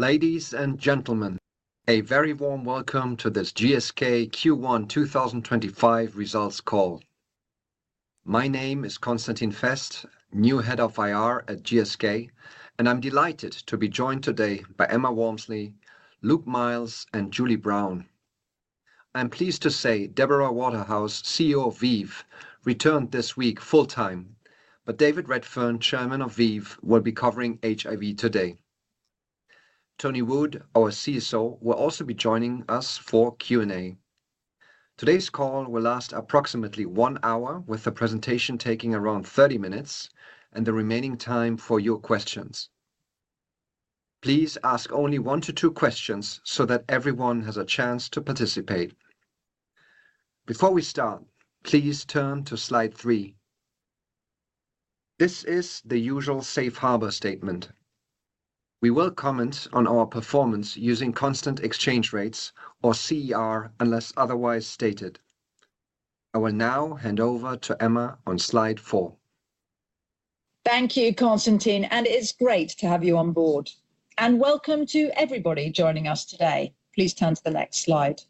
Ladies and gentlemen, a very warm welcome to this GSK Q1 2025 results call. My name is Constantin Fest, new Head of IR at GSK, and I'm delighted to be joined today by Emma Walmsley, Luke Miels, and Julie Brown. I'm pleased to say Deborah Waterhouse, CEO of ViiV, returned this week full-time, but David Redfern, Chairman of ViiV, will be covering HIV today. Tony Wood, our CSO, will also be joining us for Q&A. Today's call will last approximately one hour, with the presentation taking around 30 minutes and the remaining time for your questions. Please ask only one to two questions so that everyone has a chance to participate. Before we start, please turn to slide three. This is the usual safe harbor statement. We will comment on our performance using constant exchange rates or CER unless otherwise stated. I will now hand over to Emma on slide four. Thank you, Constantin, and it's great to have you on board. Welcome to everybody joining us today. Please turn to the next slide.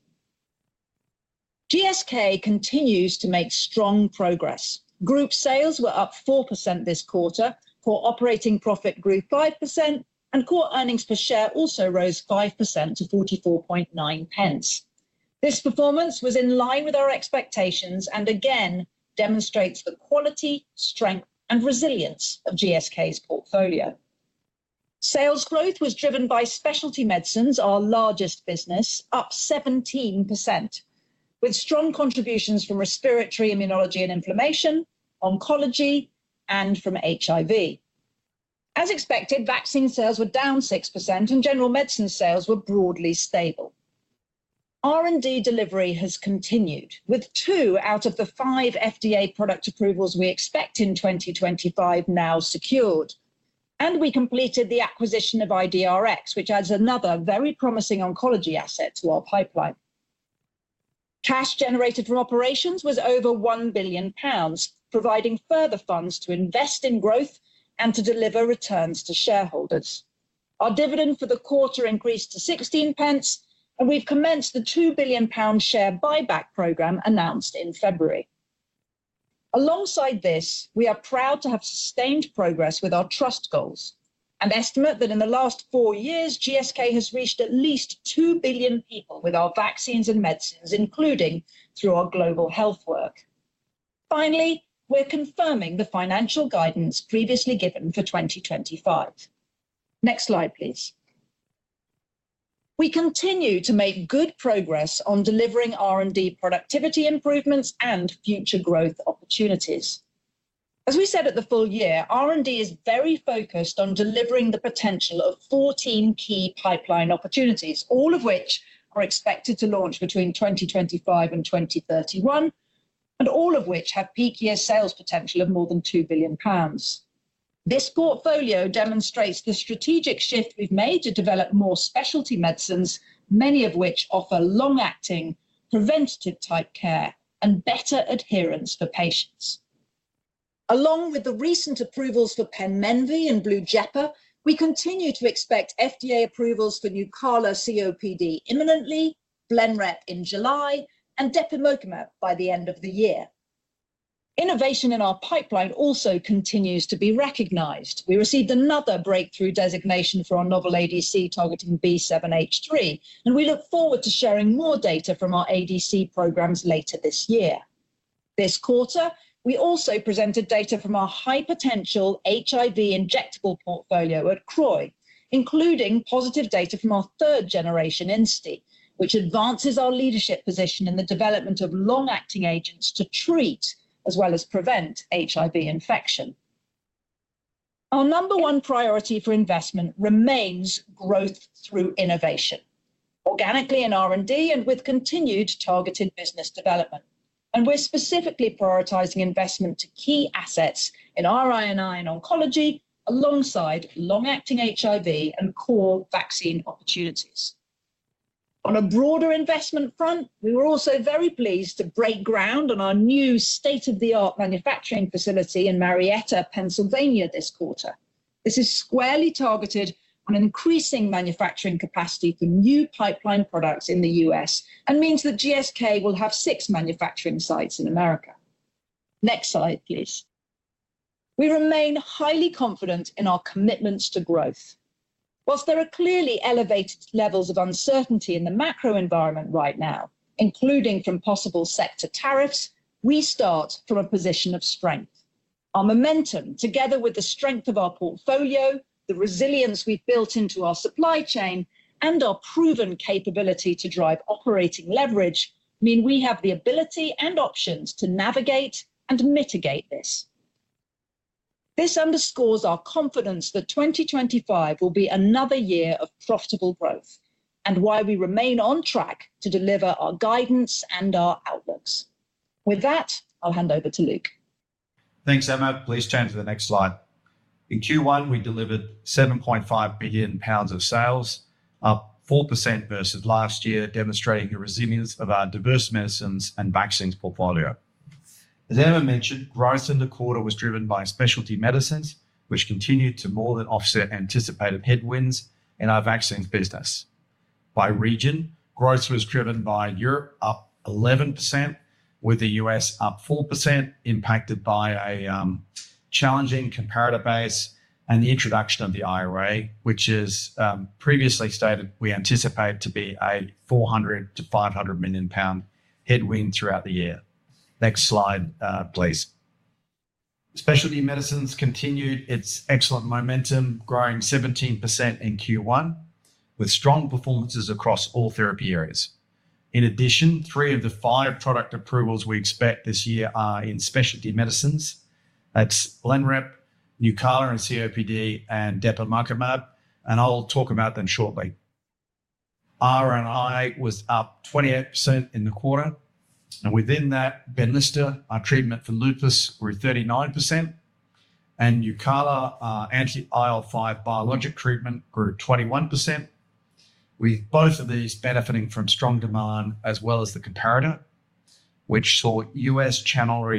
GSK continues to make strong progress. Group sales were up 4% this quarter, core operating profit grew 5%, and core earnings per share also rose 5% to 0.449. This performance was in line with our expectations and again demonstrates the quality, strength, and resilience of GSK's portfolio. Sales growth was driven by Specialty Medicines, our largest business, up 17%, with strong contributions from Respiratory Immunology and Inflammation, Oncology, and from HIV. As expected, vaccine sales were down 6%, and general medicine sales were broadly stable. R&D delivery has continued, with two out of the five FDA product approvals we expect in 2025 now secured, and we completed the acquisition of IDRx, which adds another very promising oncology asset to our pipeline. Cash generated from operations was over 1 billion pounds, providing further funds to invest in growth and to deliver returns to shareholders. Our dividend for the quarter increased to 0.16, and we've commenced the 2 billion pound share buyback program announced in February. Alongside this, we are proud to have sustained progress with our trust goals and estimate that in the last four years, GSK has reached at least 2 billion people with our vaccines and medicines, including through our global health work. Finally, we're confirming the financial guidance previously given for 2025. Next slide, please. We continue to make good progress on delivering R&D productivity improvements and future growth opportunities. As we said at the full year, R&D is very focused on delivering the potential of 14 key pipeline opportunities, all of which are expected to launch between 2025 and 2031, and all of which have peak year sales potential of more than 2 billion pounds. This portfolio demonstrates the strategic shift we've made to develop more specialty medicines, many of which offer long-acting, preventative-type care and better adherence for patients. Along with the recent approvals for Penmenvy and Blujepa, we continue to expect FDA approvals for Nucala COPD imminently, Blenrep in July, and depemokimab by the end of the year. Innovation in our pipeline also continues to be recognized. We received another breakthrough designation for our novel ADC targeting B7H3, and we look forward to sharing more data from our ADC programs later this year. This quarter, we also presented data from our high-potential HIV injectable portfolio at CROI, including positive data from our third-generation INSTI, which advances our leadership position in the development of long-acting agents to treat as well as prevent HIV infection. Our number one priority for investment remains growth through innovation, organically in R&D and with continued targeted Business Development. We are specifically prioritizing investment to key assets in RI&I and Oncology alongside long-acting HIV and core vaccine opportunities. On a broader investment front, we were also very pleased to break-ground on our new state-of-the-art manufacturing facility in Marietta, Pennsylvania, this quarter. This is squarely targeted on increasing manufacturing capacity for new pipeline products in the U.S. and means that GSK will have six manufacturing sites in America. Next slide, please. We remain highly confident in our commitments to growth. Whilst there are clearly elevated levels of uncertainty in the macro environment right now, including from possible sector tariffs, we start from a position of strength. Our momentum, together with the strength of our portfolio, the resilience we've built into our supply chain, and our proven capability to drive operating leverage, mean we have the ability and options to navigate and mitigate this. This underscores our confidence that 2025 will be another year of profitable growth and why we remain on track to deliver our guidance and our outlooks. With that, I'll hand over to Luke. Thanks, Emma. Please turn to the next slide. In Q1, we delivered 7.5 billion pounds of sales, up 4% versus last year, demonstrating the resilience of our diverse medicines and vaccines portfolio. As Emma mentioned, growth in the quarter was driven by specialty medicines, which continued to more than offset anticipated headwinds in our vaccines business. By region, growth was driven by Europe, up 11%, with the US up 4%, impacted by a challenging comparator base and the introduction of the IRA, which is, as previously stated, we anticipate to be a 400-500 million pound headwind throughout the year. Next slide, please. Specialty medicines continued its excellent momentum, growing 17% in Q1, with strong performances across all therapy areas. In addition, three of the five product approvals we expect this year are in specialty medicines. That's Blenrep, Nucala COPD, and depemokimab, and I'll talk about them shortly. RI&I was up 28% in the quarter, and within that, Benlysta, our treatment for lupus, grew 39%, and Nucala, our anti-IL5 biologic treatment, grew 21%, with both of these benefiting from strong demand as well as the comparator, which saw U.S. channel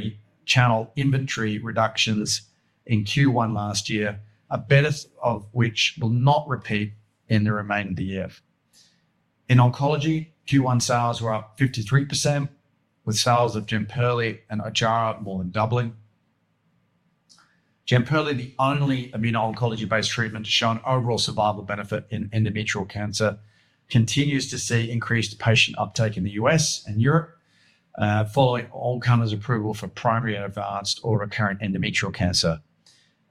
inventory reductions in Q1 last year, a benefit of which will not repeat in the remainder of the year. In Oncology, Q1 sales were up 53%, with sales of Jemperli and Ojjaara more than doubling. Jemperli, the only immuno-oncology-based treatment to show an overall survival benefit in endometrial cancer, continues to see increased patient uptake in the U.S. and Europe, following all common approval for primary and advanced or recurrent endometrial cancer.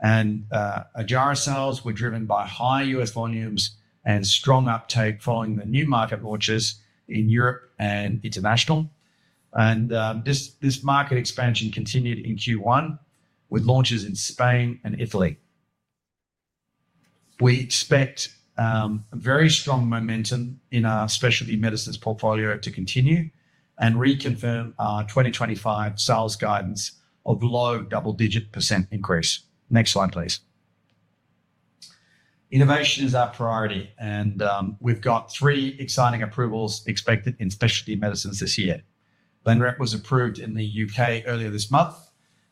Ojjaara sales were driven by high U.S. volumes and strong uptake following the new market launches in Europe and international. This market expansion continued in Q1, with launches in Spain and Italy. We expect very strong momentum in our specialty medicines portfolio to continue and reconfirm our 2025 sales guidance of low double-digit % increase. Next slide, please. Innovation is our priority, and we've got three exciting approvals expected in specialty medicines this year. Blenrep was approved in the U.K. earlier this month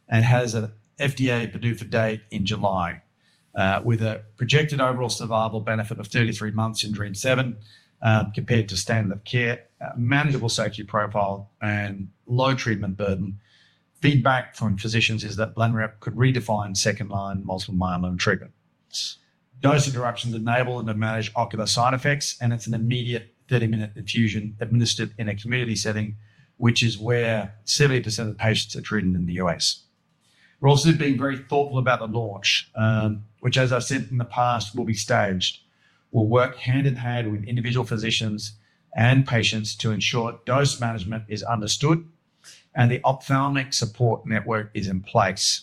and has an FDA PDUFA date in July, with a projected overall survival benefit of 33 months in DREAMM-7 compared to standard of care, manageable safety profile, and low treatment burden. Feedback from physicians is that Blenrep could redefine second-line multiple myeloma treatment. Dose interruptions enable and manage ocular side effects, and it's an immediate 30-minute infusion administered in a community setting, which is where 70% of the patients are treated in the U.S. We're also being very thoughtful about the launch, which, as I've said in the past, will be staged. We'll work hand in hand with individual physicians and patients to ensure dose management is understood and the ophthalmic support network is in place.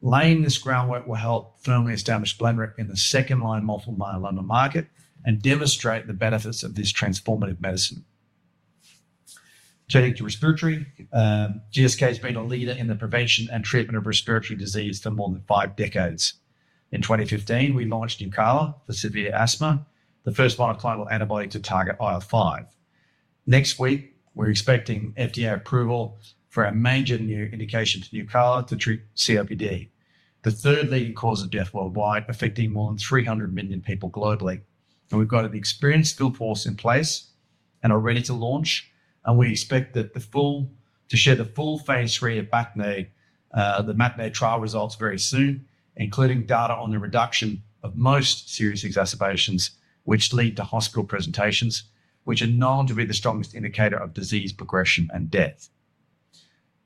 Laying this groundwork will help firmly establish Blenrep in the second-line multiple myeloma market and demonstrate the benefits of this transformative medicine. In respiratory, GSK has been a leader in the prevention and treatment of respiratory disease for more than five decades. In 2015, we launched Nucala for severe asthma, the first monoclonal antibody to target IL5. Next week, we're expecting FDA approval for a major new indication for Nucala to treat COPD, the third leading cause of death worldwide, affecting more than 300 million people globally. We have got an experienced skill force in place and are ready to launch, and we expect to share the full phase III of the MATINEE trial results very soon, including data on the reduction of most serious exacerbations, which lead to hospital presentations, which are known to be the strongest indicator of disease progression and death.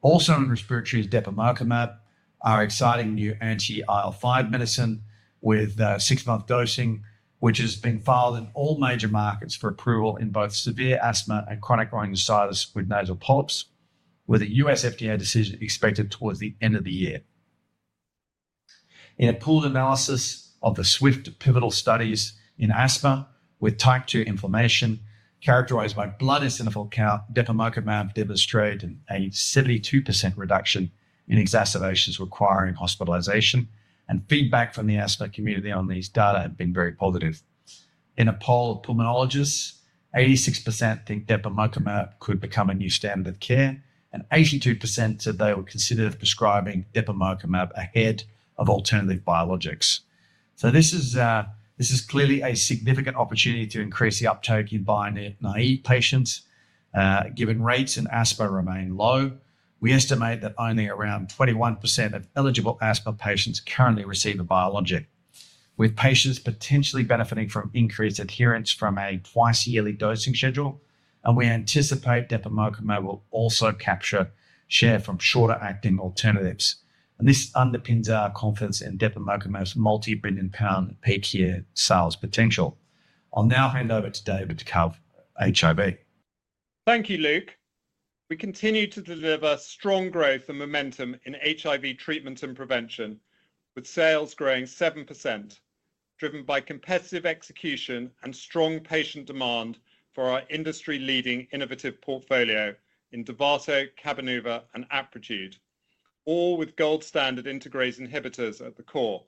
Also in respiratory is depemokimab, our exciting new anti-IL5 medicine with six-month dosing, which has been filed in all major markets for approval in both severe asthma and chronic rhinosinusitis with nasal polyps, with a U.S. FDA decision expected towards the end of the year. In a pooled analysis of the SWIFT pivotal studies in asthma with type two inflammation characterized by blood eosinophil count, depemokimab demonstrated a 72% reduction in exacerbations requiring hospitalization, and feedback from the asthma community on these data has been very positive. In a poll of pulmonologists, 86% think depemokimab could become a new standard of care, and 82% said they would consider prescribing depemokimab ahead of alternative biologics. This is clearly a significant opportunity to increase the uptake in biologic patients. Given rates in asthma remain low, we estimate that only around 21% of eligible asthma patients currently receive a biologic, with patients potentially benefiting from increased adherence from a twice-yearly dosing schedule, and we anticipate depemokimab will also capture share from shorter-acting alternatives. This underpins our confidence in depemokimab's multi-billion-pound peak year sales potential. I'll now hand over to David to cover HIV. Thank you, Luke. We continue to deliver strong growth and momentum in HIV treatment and prevention, with sales growing 7%, driven by competitive execution and strong patient demand for our industry-leading innovative portfolio in Dovato, Cabenuva, and Apretude, all with gold-standard integrase inhibitors at the core.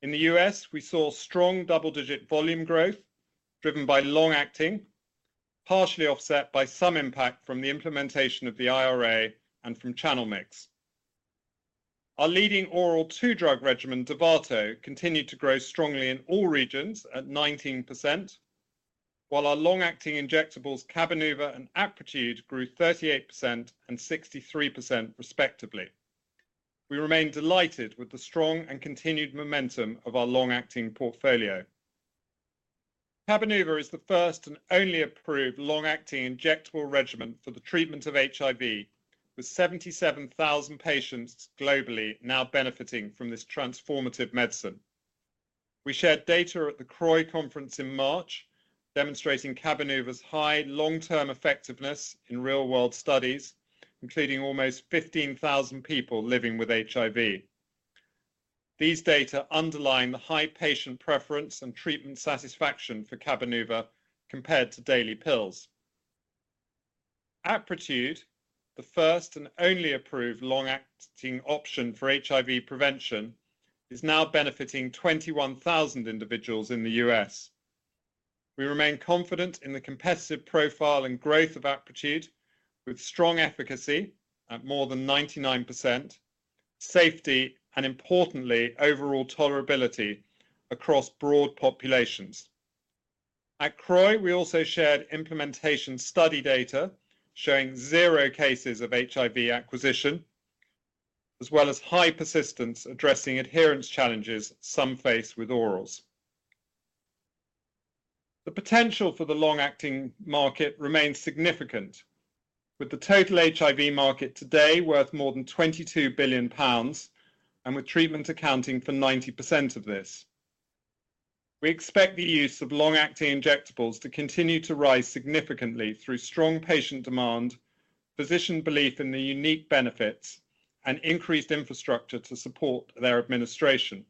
In the U.S., we saw strong double-digit volume growth driven by long-acting, partially offset by some impact from the implementation of the IRA and from channel mix. Our leading oral 2-drug regimen, Dovato, continued to grow strongly in all regions at 19%, while our long-acting injectables, Cabenuva and Apretude, grew 38% and 63% respectively. We remain delighted with the strong and continued momentum of our long-acting portfolio. Cabenuva is the first and only approved long-acting injectable regimen for the treatment of HIV, with 77,000 patients globally now benefiting from this transformative medicine. We shared data at the CROI conference in March, demonstrating Cabenuva's high long-term effectiveness in real-world studies, including almost 15,000 people living with HIV. These data underline the high patient preference and treatment satisfaction for Cabenuva compared to daily pills. Apretude, the first and only approved long-acting option for HIV prevention, is now benefiting 21,000 individuals in the US. We remain confident in the competitive profile and growth of Apretude, with strong efficacy at more than 99%, safety, and importantly, overall tolerability across broad populations. At CROI, we also shared implementation study data showing zero cases of HIV acquisition, as well as high persistence addressing adherence challenges some face with orals. The potential for the long-acting market remains significant, with the total HIV market today worth more than 22 billion pounds and with treatment accounting for 90% of this. We expect the use of long-acting injectables to continue to rise significantly through strong patient demand, physician belief in the unique benefits, and increased infrastructure to support their administration.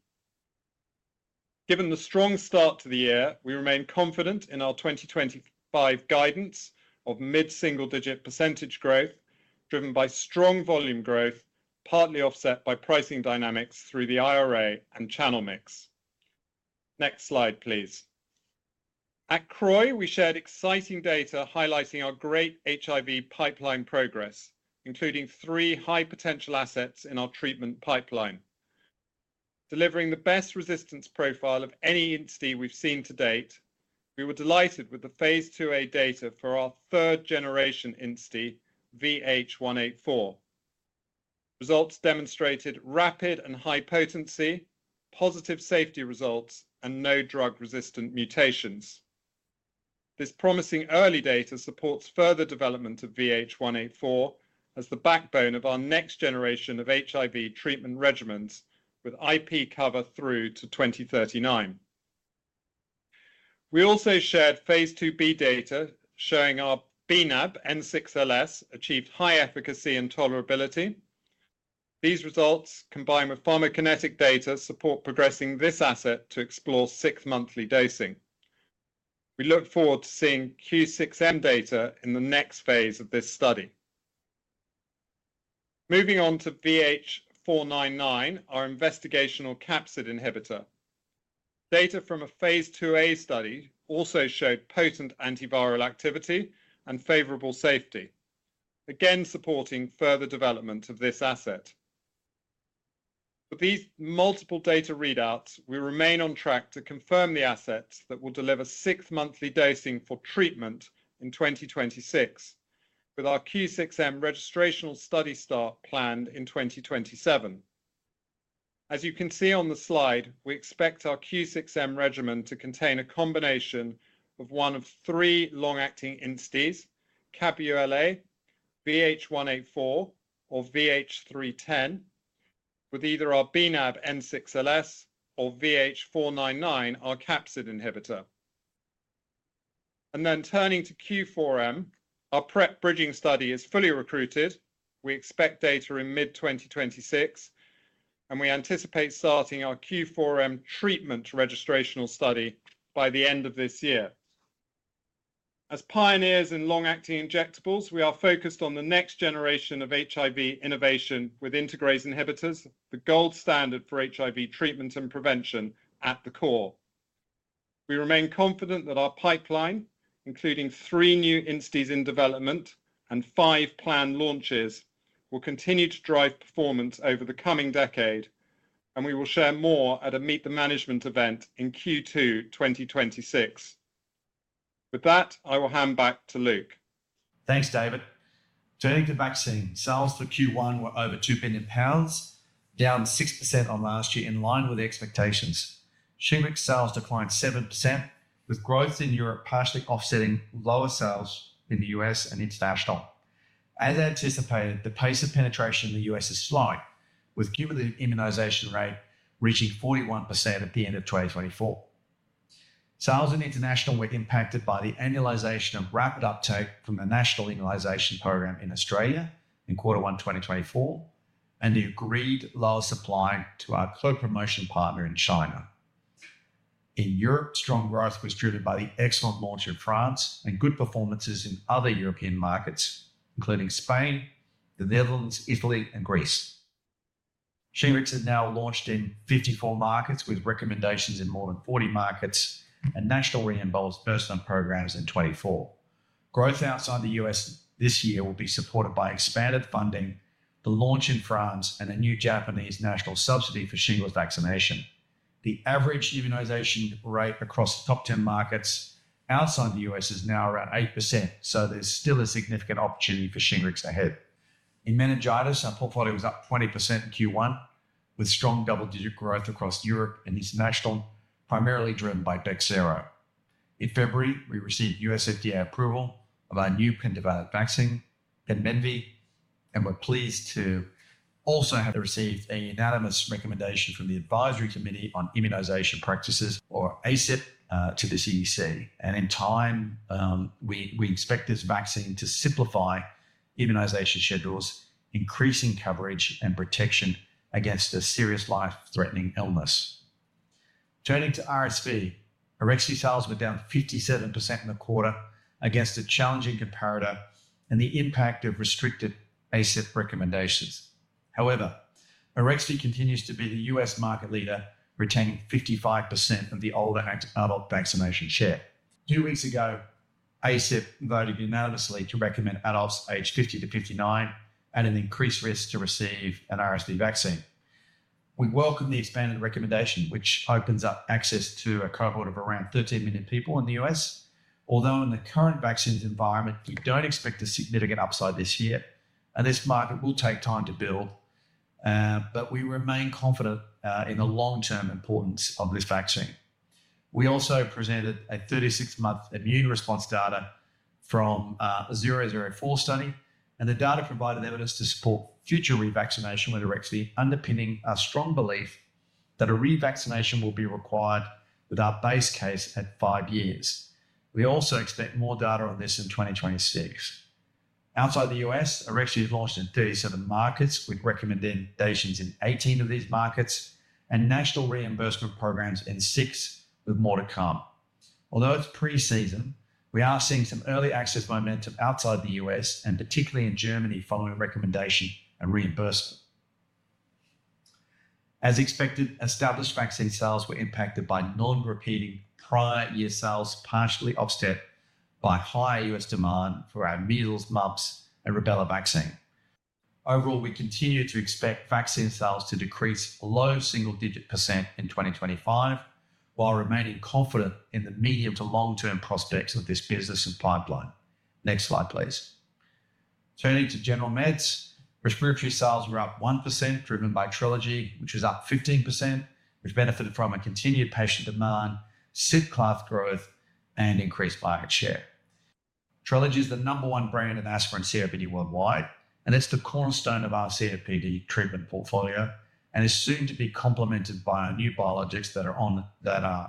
Given the strong start to the year, we remain confident in our 2025 guidance of mid-single-digit % growth driven by strong volume growth, partly offset by pricing dynamics through the IRA and channel mix. Next slide, please. At CROI, we shared exciting data highlighting our great HIV pipeline progress, including three high-potential assets in our treatment pipeline. Delivering the best resistance profile of any INSTI we have seen to date, we were delighted with the phase IIa data for our third-generation INSTI, VH184. Results demonstrated rapid and high potency, positive safety results, and no drug-resistant mutations. This promising early data supports further development of VH184 as the backbone of our next generation of HIV treatment regimens with IP cover through to 2039. We also shared phase IIb data showing our bNAb N6LS achieved high efficacy and tolerability. These results, combined with pharmacokinetic data, support progressing this asset to explore six-monthly dosing. We look forward to seeing Q6M data in the next phase of this study. Moving on to VH499, our investigational capsid inhibitor. Data from a phase IIa study also showed potent antiviral activity and favorable safety, again supporting further development of this asset. With these multiple data readouts, we remain on track to confirm the asset that will deliver six-monthly dosing for treatment in 2026, with our Q6M registrational study start planned in 2027. As you can see on the slide, we expect our Q6M regimen to contain a combination of one of three long-acting INSTIs: CAB ULA, VH184, or VH310, with either our bNAb N6LS or VH499, our capsid inhibitor. Turning to Q4M, our PrEP bridging study is fully recruited. We expect data in mid-2026, and we anticipate starting our Q4M treatment registrational study by the end of this year. As pioneers in long-acting injectables, we are focused on the next generation of HIV innovation with integrase inhibitors, the gold standard for HIV treatment and prevention at the core. We remain confident that our pipeline, including three new INSTIs in development and five planned launches, will continue to drive performance over the coming decade, and we will share more at a Meet the Management event in Q2 2026. With that, I will hand back to Luke. Thanks, David. Turning to vaccine, sales for Q1 were over 2 billion pounds, down 6% on last year, in line with expectations. Shingrix sales declined 7%, with growth in Europe partially offsetting lower sales in the U.S. and international. As anticipated, the pace of penetration in the U.S. is slowing, with cumulative immunization rate reaching 41% at the end of 2024. Sales in international were impacted by the annualization of rapid uptake from the national immunization program in Australia in quarter one 2024 and the agreed lower supply to our co-promotion partner in China. In Europe, strong growth was driven by the excellent launch in France and good performances in other European markets, including Spain, the Netherlands, Italy, and Greece. Shingrix is now launched in 54 markets, with recommendations in more than 40 markets and national reimbursed personnel programs in 24. Growth outside the U.S. this year will be supported by expanded funding, the launch in France, and a new Japanese national subsidy for Shingrix vaccination. The average immunization rate across the top 10 markets outside the U.S. is now around 8%, so there's still a significant opportunity for Shingrix ahead. In meningitis, our portfolio was up 20% in Q1, with strong double-digit growth across Europe and international, primarily driven by Bexsero. In February, we received U.S. FDA approval of our new pentavalent vaccine, Penmenvy, and we're pleased to also have received a unanimous recommendation from the Advisory Committee on Immunization Practices, or ACIP, to the CDC. In time, we expect this vaccine to simplify immunization schedules, increasing coverage and protection against a serious life-threatening illness. Turning to RSV, Arexvy sales were down 57% in the quarter against a challenging comparator and the impact of restricted ACIP recommendations. However, Arexvy continues to be the U.S. market leader, retaining 55% of the older adult vaccination share. Two weeks ago, ACIP voted unanimously to recommend adults aged 50 to 59 at an increased risk to receive an RSV vaccine. We welcome the expanded recommendation, which opens up access to a cohort of around 13 million people in the US. Although in the current vaccines environment, we don't expect a significant upside this year, and this market will take time to build, we remain confident in the long-term importance of this vaccine. We also presented a 36-month immune response data from a 004 study, and the data provided evidence to support future revaccination with Arexvy, underpinning our strong belief that a revaccination will be required with our base case at five years. We also expect more data on this in 2026. Outside the U.S., Arexvy is launched in 37 markets, with recommendations in 18 of these markets and national reimbursement programs in six, with more to come. Although it is pre-season, we are seeing some early access momentum outside the U.S. and particularly in Germany following recommendation and reimbursement. As expected, established vaccine sales were impacted by non-repeating prior year sales, partially offset by higher U.S. demand for our measles, mumps, and rubella vaccine. Overall, we continue to expect vaccine sales to decrease below single-digit % in 2025, while remaining confident in the medium to long-term prospects of this business and pipeline. Next slide, please. Turning to general meds, respiratory sales were up 1%, driven by Trelegy, which was up 15%, which benefited from a continued patient demand, sick class growth, and increased market share. Trelegy is the number one brand of asthma COPD worldwide, and it's the cornerstone of our COPD treatment portfolio and is soon to be complemented by our new biologics that are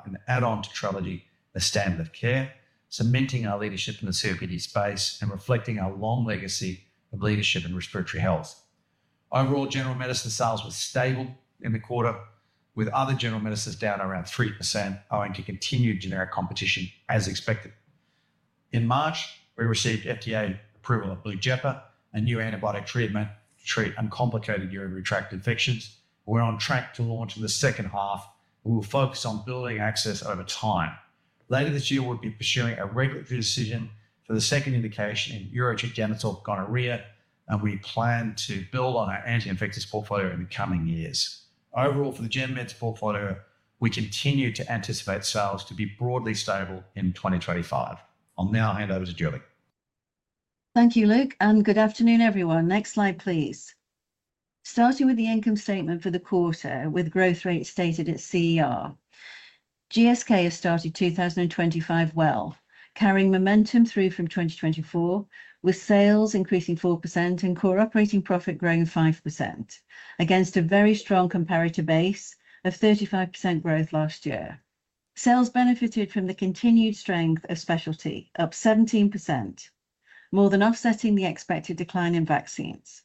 an add-on to Trelegy, the standard of care, cementing our leadership in the COPD space and reflecting our long legacy of leadership in respiratory health. Overall, general medicine sales were stable in the quarter, with other general medicines down around 3%, owing to continued generic competition, as expected. In March, we received FDA approval of Blujepa, a new antibiotic treatment to treat uncomplicated urinary tract infections. We're on track to launch in the second half, and we'll focus on building access over time. Later this year, we'll be pursuing a regulatory decision for the second indication in urogenital gonorrhea, and we plan to build on our anti-infectives portfolio in the coming years. Overall, for the gen meds portfolio, we continue to anticipate sales to be broadly stable in 2025. I'll now hand over to Julie. Thank you, Luke, and good afternoon, everyone. Next slide, please. Starting with the income statement for the quarter, with growth rates stated at CER. GSK has started 2025 well, carrying momentum through from 2024, with sales increasing 4% and core operating profit growing 5% against a very strong comparator base of 35% growth last year. Sales benefited from the continued strength of specialty, up 17%, more than offsetting the expected decline in vaccines.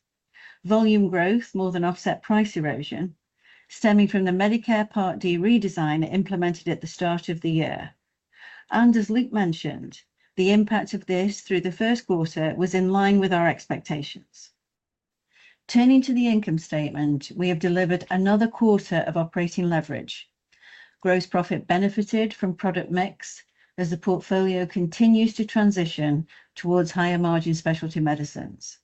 Volume growth more than offset price erosion, stemming from the Medicare Part D redesign implemented at the start of the year. As Luke mentioned, the impact of this through the first quarter was in line with our expectations. Turning to the income statement, we have delivered another quarter of operating leverage. Gross profit benefited from product mix as the portfolio continues to transition towards higher margin specialty medicines.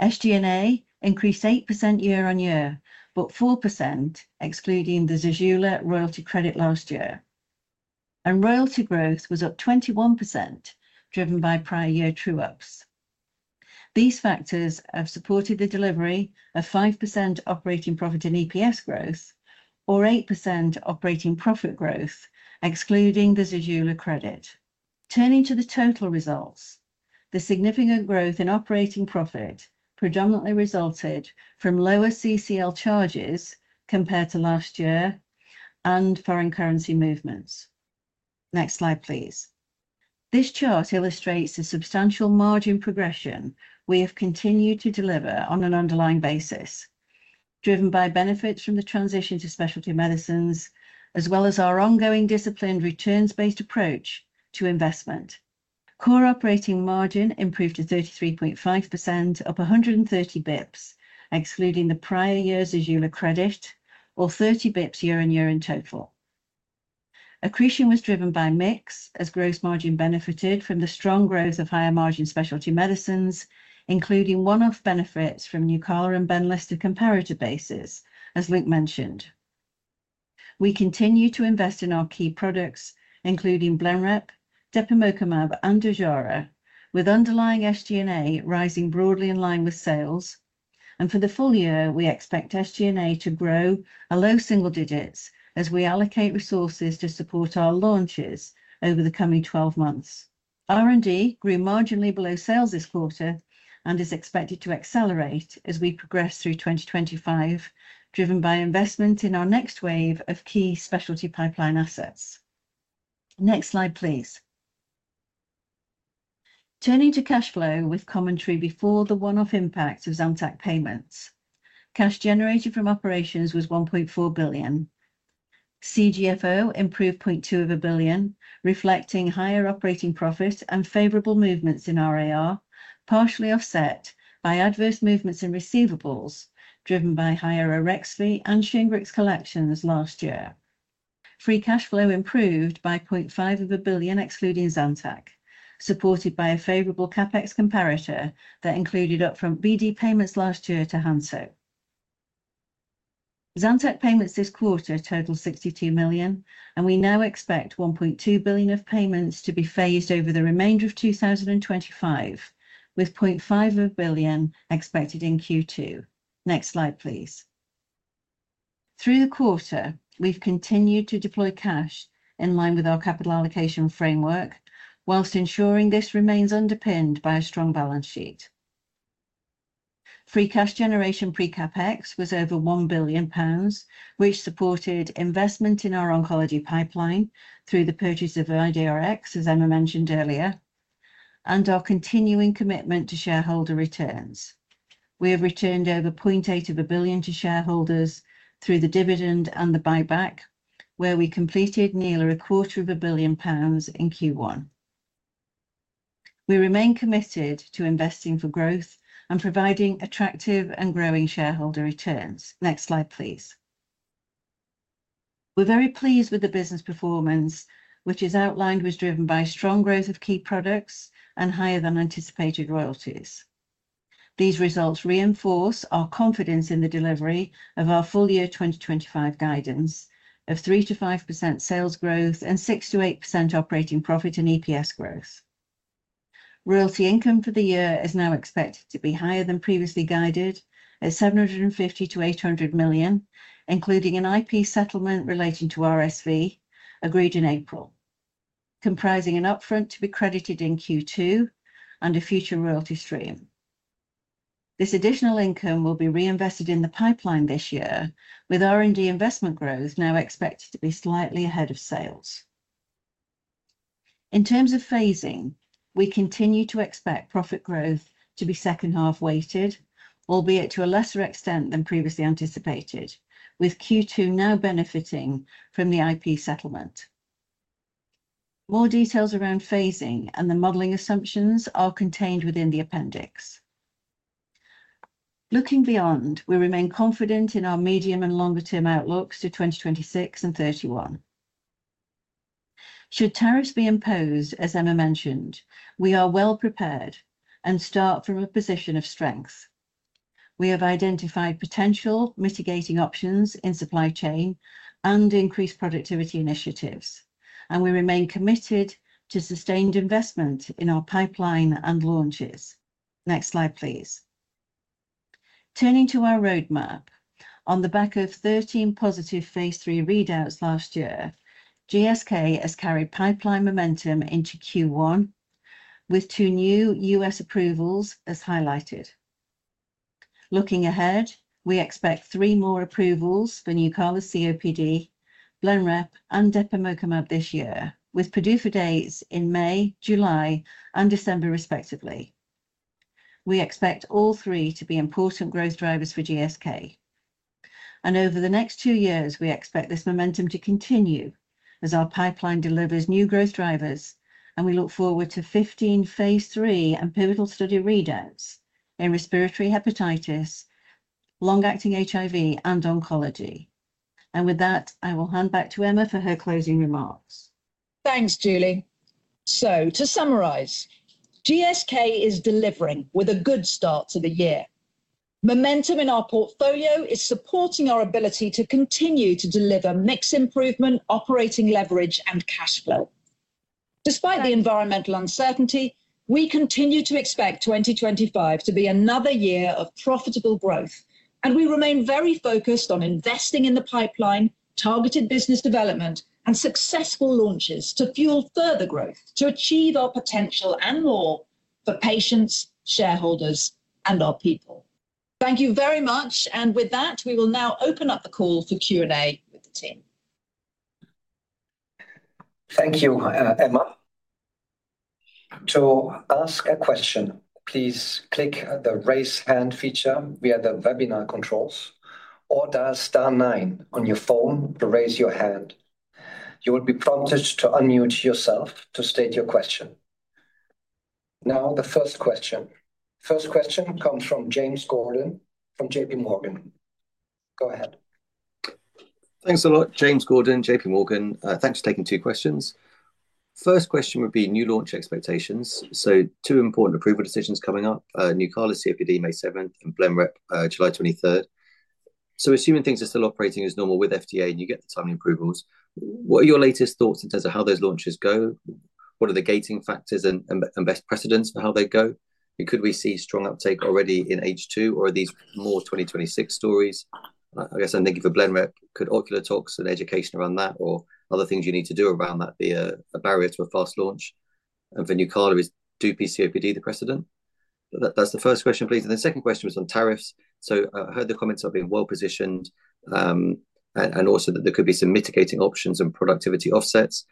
SG&A increased 8% year on year, but 4%, excluding the Zejula royalty credit last year. Royalty growth was up 21%, driven by prior year true-ups. These factors have supported the delivery of 5% operating profit in EPS growth or 8% operating profit growth, excluding the Zejula credit. Turning to the total results, the significant growth in operating profit predominantly resulted from lower CCL charges compared to last year and foreign currency movements. Next slide, please. This chart illustrates the substantial margin progression we have continued to deliver on an underlying basis, driven by benefits from the transition to specialty medicines, as well as our ongoing disciplined returns-based approach to investment. Core operating margin improved to 33.5%, up 130 basis points, excluding the prior year's Zejula credit, or 30 basis points year on year in total. Accretion was driven by mix as gross margin benefited from the strong growth of higher margin specialty medicines, including one-off benefits from new collar and Benlysta comparator bases, as Luke mentioned. We continue to invest in our key products, including Blenrep, depemokimab, and Dovato, with underlying SG&A rising broadly in line with sales. For the full year, we expect SG&A to grow below single digits as we allocate resources to support our launches over the coming 12 months. R&D grew marginally below sales this quarter and is expected to accelerate as we progress through 2025, driven by investment in our next wave of key specialty pipeline assets. Next slide, please. Turning to cash flow with commentary before the one-off impact of Zantac payments. Cash generated from operations was 1.4 billion. CGFO improved $200,000,000, reflecting higher operating profit and favorable movements in RAR, partially offset by adverse movements in receivables driven by higher Arexvy and Shingrix collections last year. Free cash flow improved by $500,000,000, excluding Zamtec, supported by a favorable CapEx comparator that included upfront BD payments last year to Hanmi. Zamtec payments this quarter totaled $62,000,000, and we now expect $1,200,000,000 of payments to be phased over the remainder of 2025, with $500,000,000 expected in Q2. Next slide, please. Through the quarter, we have continued to deploy cash in line with our capital allocation framework, whilst ensuring this remains underpinned by a strong balance sheet. Free cash generation pre-CapEx was over 1 billion pounds, which supported investment in our oncology pipeline through the purchase of IDRx, as Emma mentioned earlier, and our continuing commitment to shareholder returns. We have returned over 800 million to shareholders through the dividend and the buyback, where we completed nearly 250 million pounds in Q1. We remain committed to investing for growth and providing attractive and growing shareholder returns. Next slide, please. We are very pleased with the business performance, which, as outlined, was driven by strong growth of key products and higher than anticipated royalties. These results reinforce our confidence in the delivery of our full year 2025 guidance of 3%-5% sales growth and 6%-8% operating profit and EPS growth. Royalty income for the year is now expected to be higher than previously guided at 750 million-800 million, including an IP settlement relating to RSV agreed in April, comprising an upfront to be credited in Q2 and a future royalty stream. This additional income will be reinvested in the pipeline this year, with R&D investment growth now expected to be slightly ahead of sales. In terms of phasing, we continue to expect profit growth to be second half weighted, albeit to a lesser extent than previously anticipated, with Q2 now benefiting from the IP settlement. More details around phasing and the modeling assumptions are contained within the appendix. Looking beyond, we remain confident in our medium and longer-term outlooks to 2026 and 2031. Should tariffs be imposed, as Emma mentioned, we are well prepared and start from a position of strength. We have identified potential mitigating options in supply chain and increased productivity initiatives, and we remain committed to sustained investment in our pipeline and launches. Next slide, please. Turning to our roadmap, on the back of 13 positive phase III readouts last year, GSK has carried pipeline momentum into Q1 with two new U.S. approvals, as highlighted. Looking ahead, we expect three more approvals for Nucala COPD, Blenrep, and depemokimab this year, with PDUFA dates in May, July, and December, respectively. We expect all three to be important growth drivers for GSK. Over the next two years, we expect this momentum to continue as our pipeline delivers new growth drivers, and we look forward to 15 phase III and pivotal study readouts in respiratory, hepatitis, long-acting HIV, and oncology. With that, I will hand back to Emma for her closing remarks. Thanks, Julie. To summarize, GSK is delivering with a good start to the year. Momentum in our portfolio is supporting our ability to continue to deliver mix improvement, operating leverage, and cash flow. Despite the environmental uncertainty, we continue to expect 2025 to be another year of profitable growth, and we remain very focused on investing in the pipeline, targeted business development, and successful launches to fuel further growth to achieve our potential and more for patients, shareholders, and our people. Thank you very much, and with that, we will now open up the call for Q&A with the team. Thank you, Emma. To ask a question, please click the raise hand feature via the webinar controls, or dial star nine on your phone to raise your hand. You will be prompted to unmute yourself to state your question. Now, the first question. First question comes from James Gordon from JP Morgan. Go ahead. Thanks a lot, James Gordon, JP Morgan. Thanks for taking two questions. First question would be new launch expectations. Two important approval decisions coming up: Nucala COPD May 7 and Blenrep July 23. Assuming things are still operating as normal with FDA and you get the timely approvals, what are your latest thoughts in terms of how those launches go? What are the gating factors and best precedents for how they go? Could we see strong uptake already in H2, or are these more 2026 stories? I guess I'm thinking for Blenrep, could ocular tox and education around that or other things you need to do around that be a barrier to a fast launch? For Nucala, is Dupi COPD the precedent? That's the first question, please. The second question was on tariffs. I heard the comments are being well positioned and also that there could be some mitigating options and productivity offsets.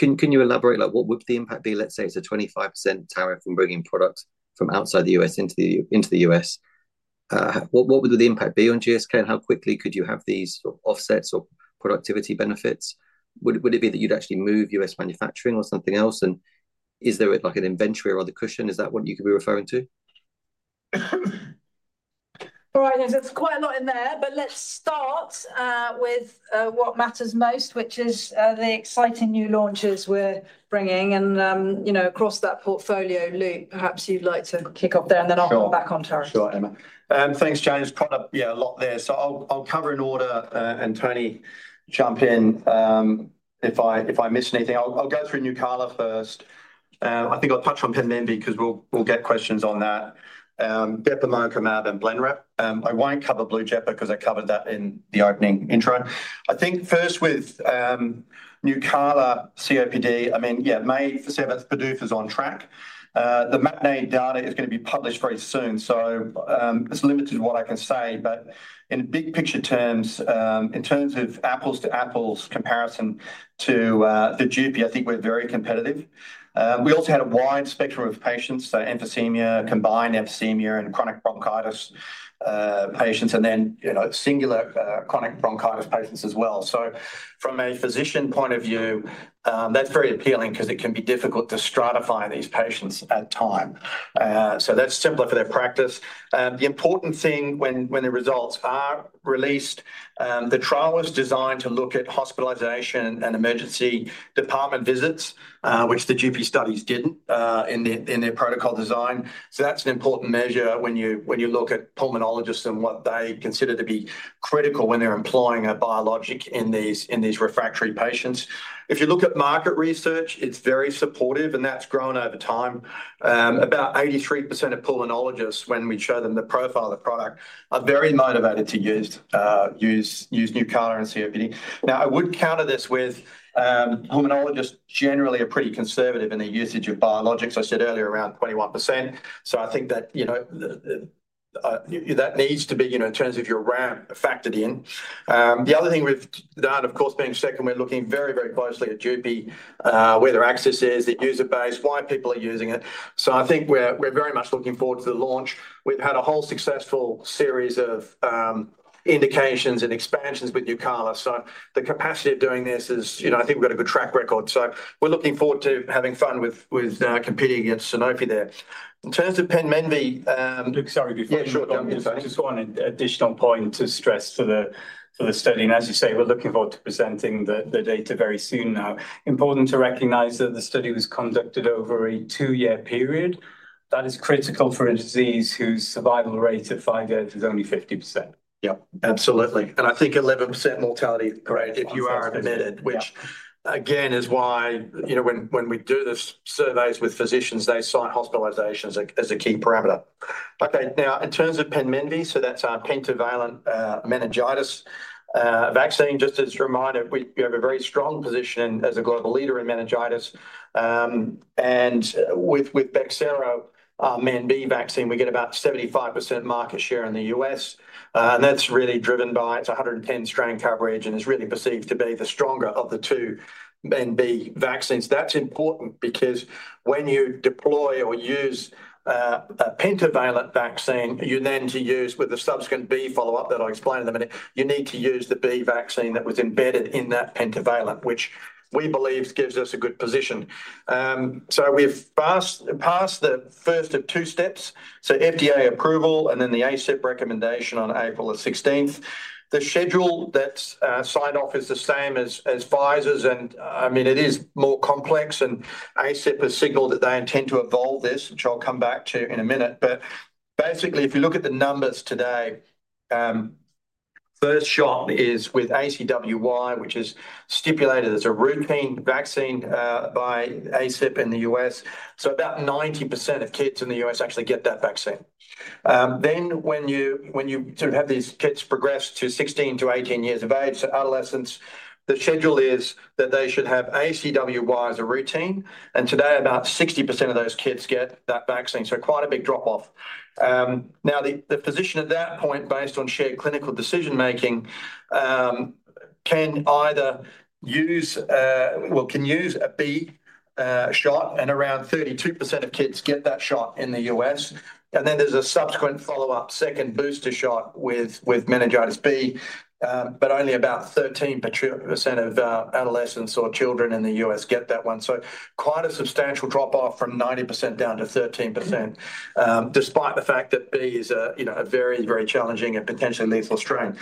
Can you elaborate? What would the impact be? Let's say it's a 25% tariff from bringing product from outside the U.S. into the US. What would the impact be on GSK, and how quickly could you have these offsets or productivity benefits? Would it be that you'd actually move U.S. manufacturing or something else? Is there an inventory or other cushion? Is that what you could be referring to? All right, there's quite a lot in there, but let's start with what matters most, which is the exciting new launches we're bringing. Across that portfolio, Luke, perhaps you'd like to kick off there, and then I'll come back on tariffs. Sure, Emma. Thanks, James. Quite a lot there. I'll cover in order, and Tony, jump in if I miss anything. I'll go through Nucala first. I think I'll touch on PIND because we'll get questions on that. depemokimab and Blenrep. I won't cover Blujepa because I covered that in the opening intro. I think first with Nucala COPD, I mean, yeah, May 7th, PDUFA is on track. The MATINEE data is going to be published very soon, so it's limited to what I can say. In big picture terms, in terms of apples-to-apples comparison to the Dupi, I think we're very competitive. We also had a wide spectrum of patients, so emphysema, combined emphysema and chronic bronchitis patients, and then singular chronic bronchitis patients as well. From a physician point of view, that's very appealing because it can be difficult to stratify these patients at times. That's simpler for their practice. The important thing when the results are released, the trial was designed to look at hospitalisation and emergency department visits, which the Dupi studies did not in their protocol design. That's an important measure when you look at pulmonologists and what they consider to be critical when they're employing a biologic in these refractory patients. If you look at market research, it's very supportive, and that's grown over time. About 83% of pulmonologists, when we show them the profile of the product, are very motivated to use Nucala in COPD. Now, I would counter this with pulmonologists generally are pretty conservative in their usage of biologics. I said earlier around 21%. I think that needs to be in terms of your ramp factored in. The other thing with that, of course, being second, we're looking very, very closely at Dupi, where their access is, their user base, why people are using it. I think we're very much looking forward to the launch. We've had a whole successful series of indications and expansions with Nucala. The capacity of doing this is, I think we've got a good track record. We're looking forward to having fun with competing against Sanofi there. In terms of Penmenvy. Sorry, before you go. Yeah, sure. Just one additional point to stress for the study. As you say, we're looking forward to presenting the data very soon now. Important to recognize that the study was conducted over a two-year period. That is critical for a disease whose survival rate at five years is only 50%. Yep, absolutely. I think 11% mortality rate if you are admitted, which again is why when we do the surveys with physicians, they cite hospitalizations as a key parameter. Okay, now in terms of Penmenvy, so that's our pentavalent meningitis vaccine. Just as a reminder, we have a very strong position as a global leader in meningitis. With Bexsero, our MenB vaccine, we get about 75% market share in the US. That's really driven by its 110-strain coverage, and it's really perceived to be the stronger of the two MenB vaccines. That's important because when you deploy or use a pentavalent vaccine, you then use with the subsequent B follow-up that I explained in a minute, you need to use the B vaccine that was embedded in that pentavalent, which we believe gives us a good position. We've passed the first of two steps, FDA approval and then the ACIP recommendation on April 16. The schedule that's signed off is the same as Pfizer's, and I mean, it is more complex, and ACIP has signaled that they intend to evolve this, which I'll come back to in a minute. Basically, if you look at the numbers today, first shot is with ACWY, which is stipulated as a routine vaccine by ACIP in the US. About 90% of kids in the U.S. actually get that vaccine. When you sort of have these kids progress to 16-18 years of age, so adolescents, the schedule is that they should have ACWY as a routine. Today, about 60% of those kids get that vaccine. Quite a big drop-off. Now, the physician at that point, based on shared clinical decision-making, can either use, well, can use a B shot, and around 32% of kids get that shot in the U.S. There is a subsequent follow-up second booster shot with meningitis B, but only about 13% of adolescents or children in the U.S. get that one. Quite a substantial drop-off from 90% down to 13%, despite the fact that B is a very, very challenging and potentially lethal strain.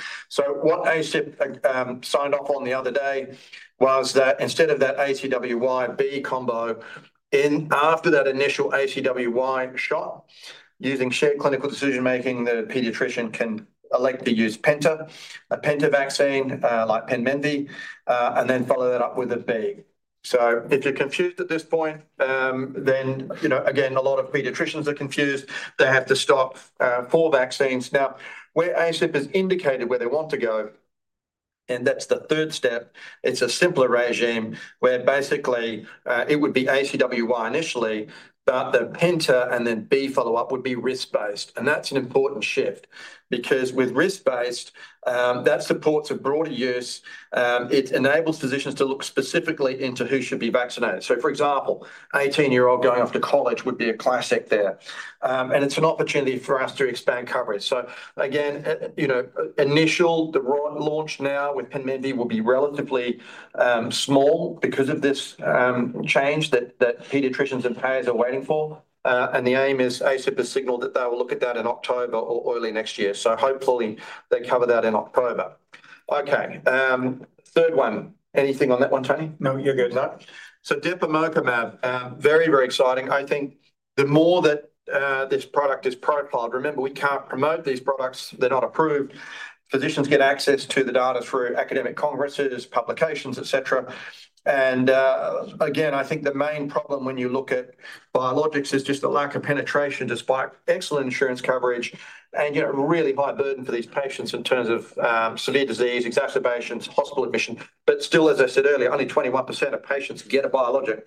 What ACIP signed off on the other day was that instead of that ACWY, B combo, after that initial ACWY shot, using shared clinical decision-making, the pediatrician can elect to use penta, a penta vaccine like Penmenvy, and then follow that up with a B. If you're confused at this point, then again, a lot of pediatricians are confused. They have to stop four vaccines. Now, where ACIP has indicated where they want to go, and that's the third step, it's a simpler regime where basically it would be ACWY initially, but the penta and then B follow-up would be risk-based. That's an important shift because with risk-based, that supports a broader use. It enables physicians to look specifically into who should be vaccinated. For example, 18-year-old going off to college would be a classic there. It's an opportunity for us to expand coverage. Again, initial, the launch now with Penmenvy will be relatively small because of this change that pediatricians and payers are waiting for. The aim is ACIP has signaled that they will look at that in October or early next year. Hopefully, they cover that in October. Okay, third one. Anything on that one, Tony? No, you're good. depemokimab, very, very exciting. I think the more that this product is profiled, remember, we can't promote these products. They're not approved. Physicians get access to the data through academic congresses, publications, etc. I think the main problem when you look at biologics is just the lack of penetration despite excellent insurance coverage and really high burden for these patients in terms of severe disease, exacerbations, hospital admission. Still, as I said earlier, only 21% of patients get a biologic.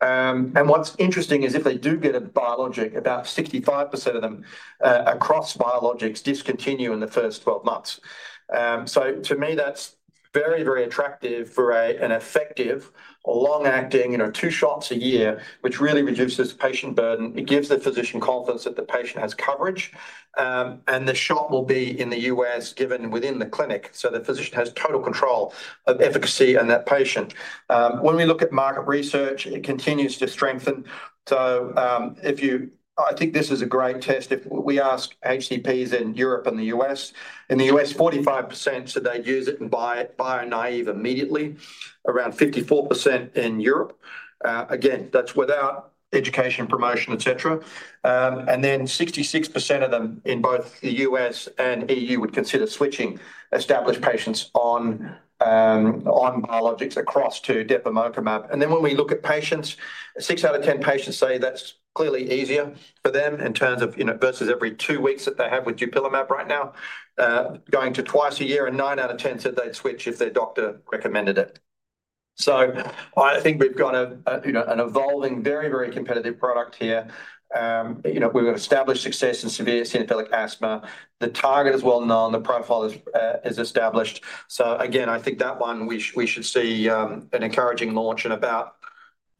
What's interesting is if they do get a biologic, about 65% of them across biologics discontinue in the first 12 months. To me, that's very, very attractive for an effective, long-acting, two shots a year, which really reduces patient burden. It gives the physician confidence that the patient has coverage. The shot will be in the U.S. given within the clinic. The physician has total control of efficacy and that patient. When we look at market research, it continues to strengthen. I think this is a great test. If we ask HCPs in Europe and the US, in the US, 45% said they'd use it and buy it, buy a naive immediately, around 54% in Europe. That is without education, promotion, etc. Then 66% of them in both the U.S. and EU would consider switching established patients on biologics across to depemokimab. When we look at patients, 6 out of 10 patients say that's clearly easier for them in terms of versus every two weeks that they have with Dupilumab right now, going to twice a year, and 9 out of 10 said they'd switch if their doctor recommended it. I think we've got an evolving, very, very competitive product here. We've got established success in severe cytophilic asthma. The target is well known. The profile is established. Again, I think that one we should see an encouraging launch in about,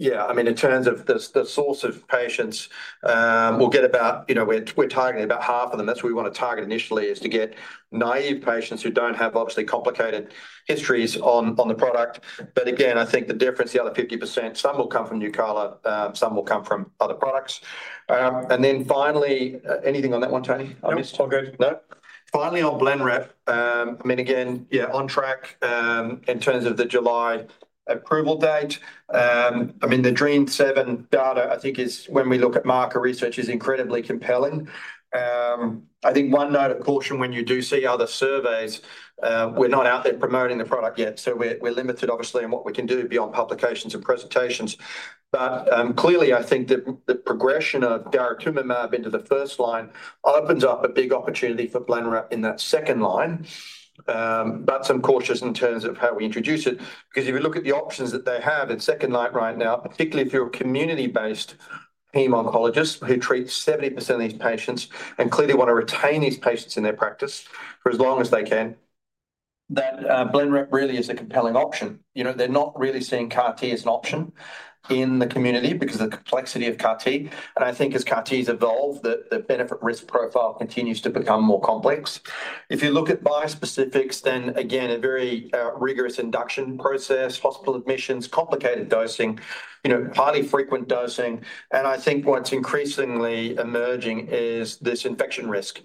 yeah, I mean, in terms of the source of patients, we'll get about, we're targeting about half of them. That's what we want to target initially is to get naive patients who don't have obviously complicated histories on the product. Again, I think the difference, the other 50%, some will come from Nucala, some will come from other products. Finally, anything on that one, Tony? No, all good. Finally, on Blenrep, I mean, again, yeah, on track in terms of the July approval date. I mean, the Dream7 data, I think, is when we look at market research, is incredibly compelling. I think one note of caution when you do see other surveys, we're not out there promoting the product yet. We are limited, obviously, in what we can do beyond publications and presentations. Clearly, I think the progression of Daratumumab into the first line opens up a big opportunity for Blenrep in that second line. I am cautious in terms of how we introduce it because if you look at the options that they have in second line right now, particularly if you're a community-based pain oncologist who treats 70% of these patients and clearly wants to retain these patients in their practice for as long as they can, Blenrep really is a compelling option. They are not really seeing CAR-T as an option in the community because of the complexity of CAR-T. I think as CAR-Ts evolve, the benefit-risk profile continues to become more complex. If you look at biospecifics, then again, a very rigorous induction process, hospital admissions, complicated dosing, highly frequent dosing. I think what's increasingly emerging is this infection risk,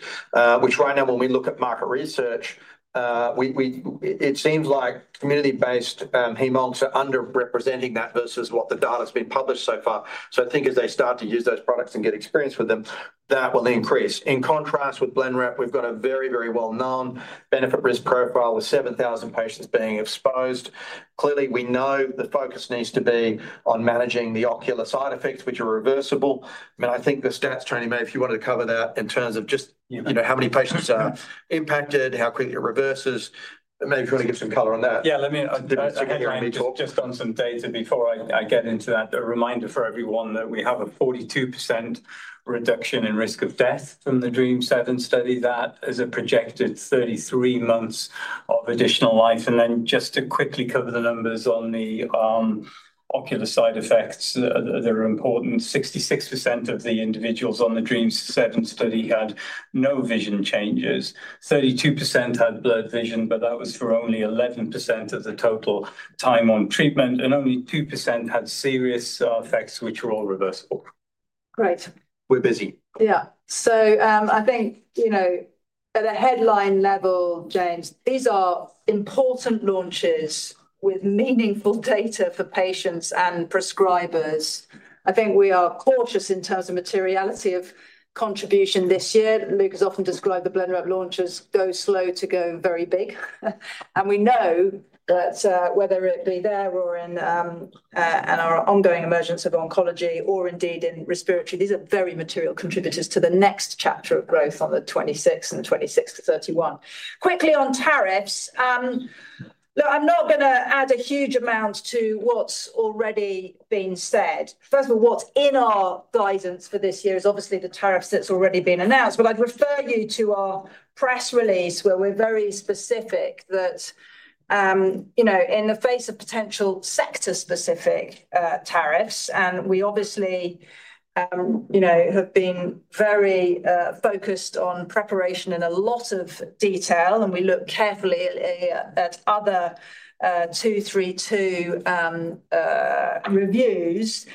which right now, when we look at market research, it seems like community-based haemons are underrepresenting that versus what the data has been published so far. I think as they start to use those products and get experience with them, that will increase. In contrast with Blenrep, we've got a very, very well-known benefit-risk profile with 7,000 patients being exposed. Clearly, we know the focus needs to be on managing the ocular side effects, which are reversible. I mean, I think the stats, Tony, may, if you wanted to cover that in terms of just how many patients are impacted, how quickly it reverses, maybe if you want to give some color on that. Yeah, let me just on some data before I get into that, a reminder for everyone that we have a 42% reduction in risk of death from the Dream7 study. That is a projected 33 months of additional life. Just to quickly cover the numbers on the ocular side effects that are important, 66% of the individuals on the Dream7 study had no vision changes. 32% had blurred vision, but that was for only 11% of the total time on treatment. Only 2% had serious effects, which were all reversible. Great. We're busy. Yeah. I think at a headline level, James, these are important launches with meaningful data for patients and prescribers. I think we are cautious in terms of materiality of contribution this year. Luke has often described the Blenrep launches go slow to go very big. We know that whether it be there or in our ongoing emergence of oncology or indeed in respiratory, these are very material contributors to the next chapter of growth on the 26th and 26th to 31. Quickly on tariffs, look, I'm not going to add a huge amount to what's already been said. First of all, what's in our guidance for this year is obviously the tariffs that's already been announced. I'd refer you to our press release where we're very specific that in the face of potential sector-specific tariffs, and we obviously have been very focused on preparation and a lot of detail, and we look carefully at other 232 reviews,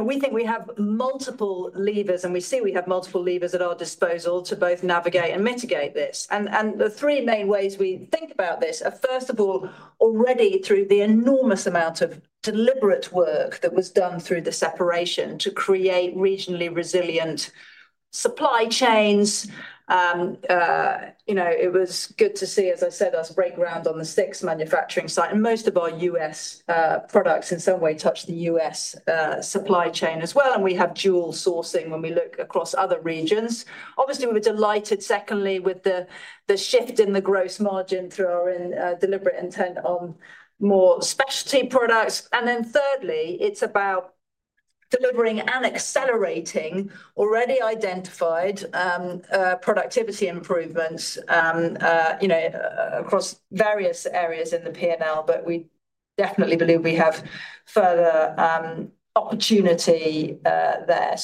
we think we have multiple levers, and we see we have multiple levers at our disposal to both navigate and mitigate this. The three main ways we think about this are, first of all, already through the enormous amount of deliberate work that was done through the separation to create regionally resilient supply chains. It was good to see, as I said, us break ground on the sixth manufacturing site. Most of our U.S. products in some way touch the U.S. supply chain as well. We have dual sourcing when we look across other regions. Obviously, we were delighted, secondly, with the shift in the gross margin through our deliberate intent on more specialty products. Thirdly, it is about delivering and accelerating already identified productivity improvements across various areas in the P&L. We definitely believe we have further opportunity there.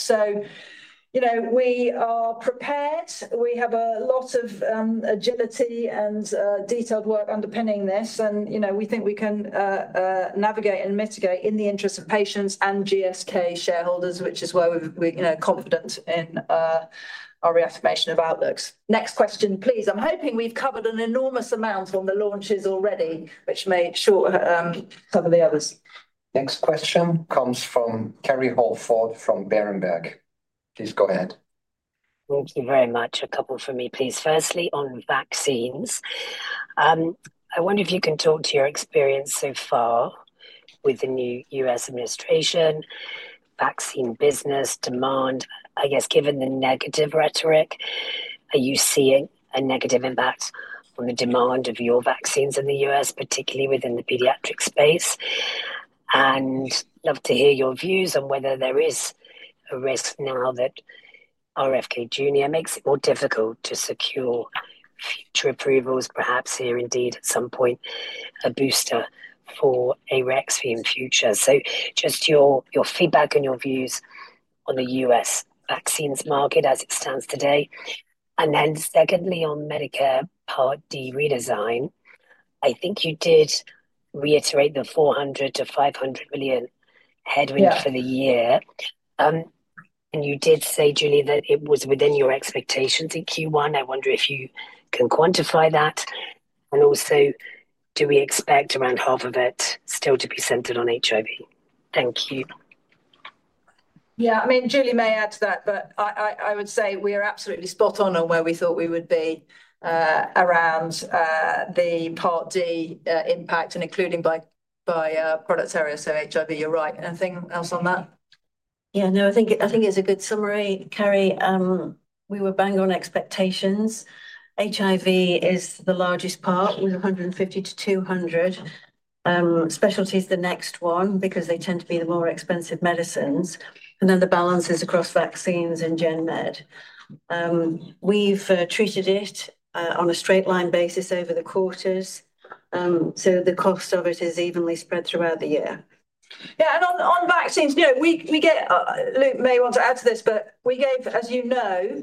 We are prepared. We have a lot of agility and detailed work underpinning this. We think we can navigate and mitigate in the interest of patients and GSK shareholders, which is why we are confident in our reaffirmation of outlooks. Next question, please. I am hoping we have covered an enormous amount on the launches already, which may shorten some of the others. Next question comes from Kerry Holford from Berenberg. Please go ahead. Thank you very much. A couple for me, please. Firstly, on vaccines. I wonder if you can talk to your experience so far with the new U.S. administration, vaccine business, demand. I guess, given the negative rhetoric, are you seeing a negative impact on the demand of your vaccines in the U.S., particularly within the paediatric space? I would love to hear your views on whether there is a risk now that RFK Jr. makes it more difficult to secure future approvals, perhaps here indeed at some point, a booster for Arexvy in future. Just your feedback and your views on the U.S. vaccines market as it stands today. Secondly, on Medicare Part D redesign, I think you did reiterate the $400 million-$500 million headwind for the year. You did say, Julie, that it was within your expectations in Q1. I wonder if you can quantify that. Also, do we expect around half of it still to be centered on HIV? Thank you. Yeah, I mean, Julie may add to that, but I would say we are absolutely spot on on where we thought we would be around the Part D impact and including by product area. So, HIV, you're right. Anything else on that? Yeah, no, I think it's a good summary. Kerry, we were bang on expectations. HIV is the largest part with 150-200. Specialty is the next one because they tend to be the more expensive medicines. Then the balance is across vaccines and GenMed. We've treated it on a straight-line basis over the quarters. The cost of it is evenly spread throughout the year. Yeah, and on vaccines, we get Luke may want to add to this, but we gave, as you know,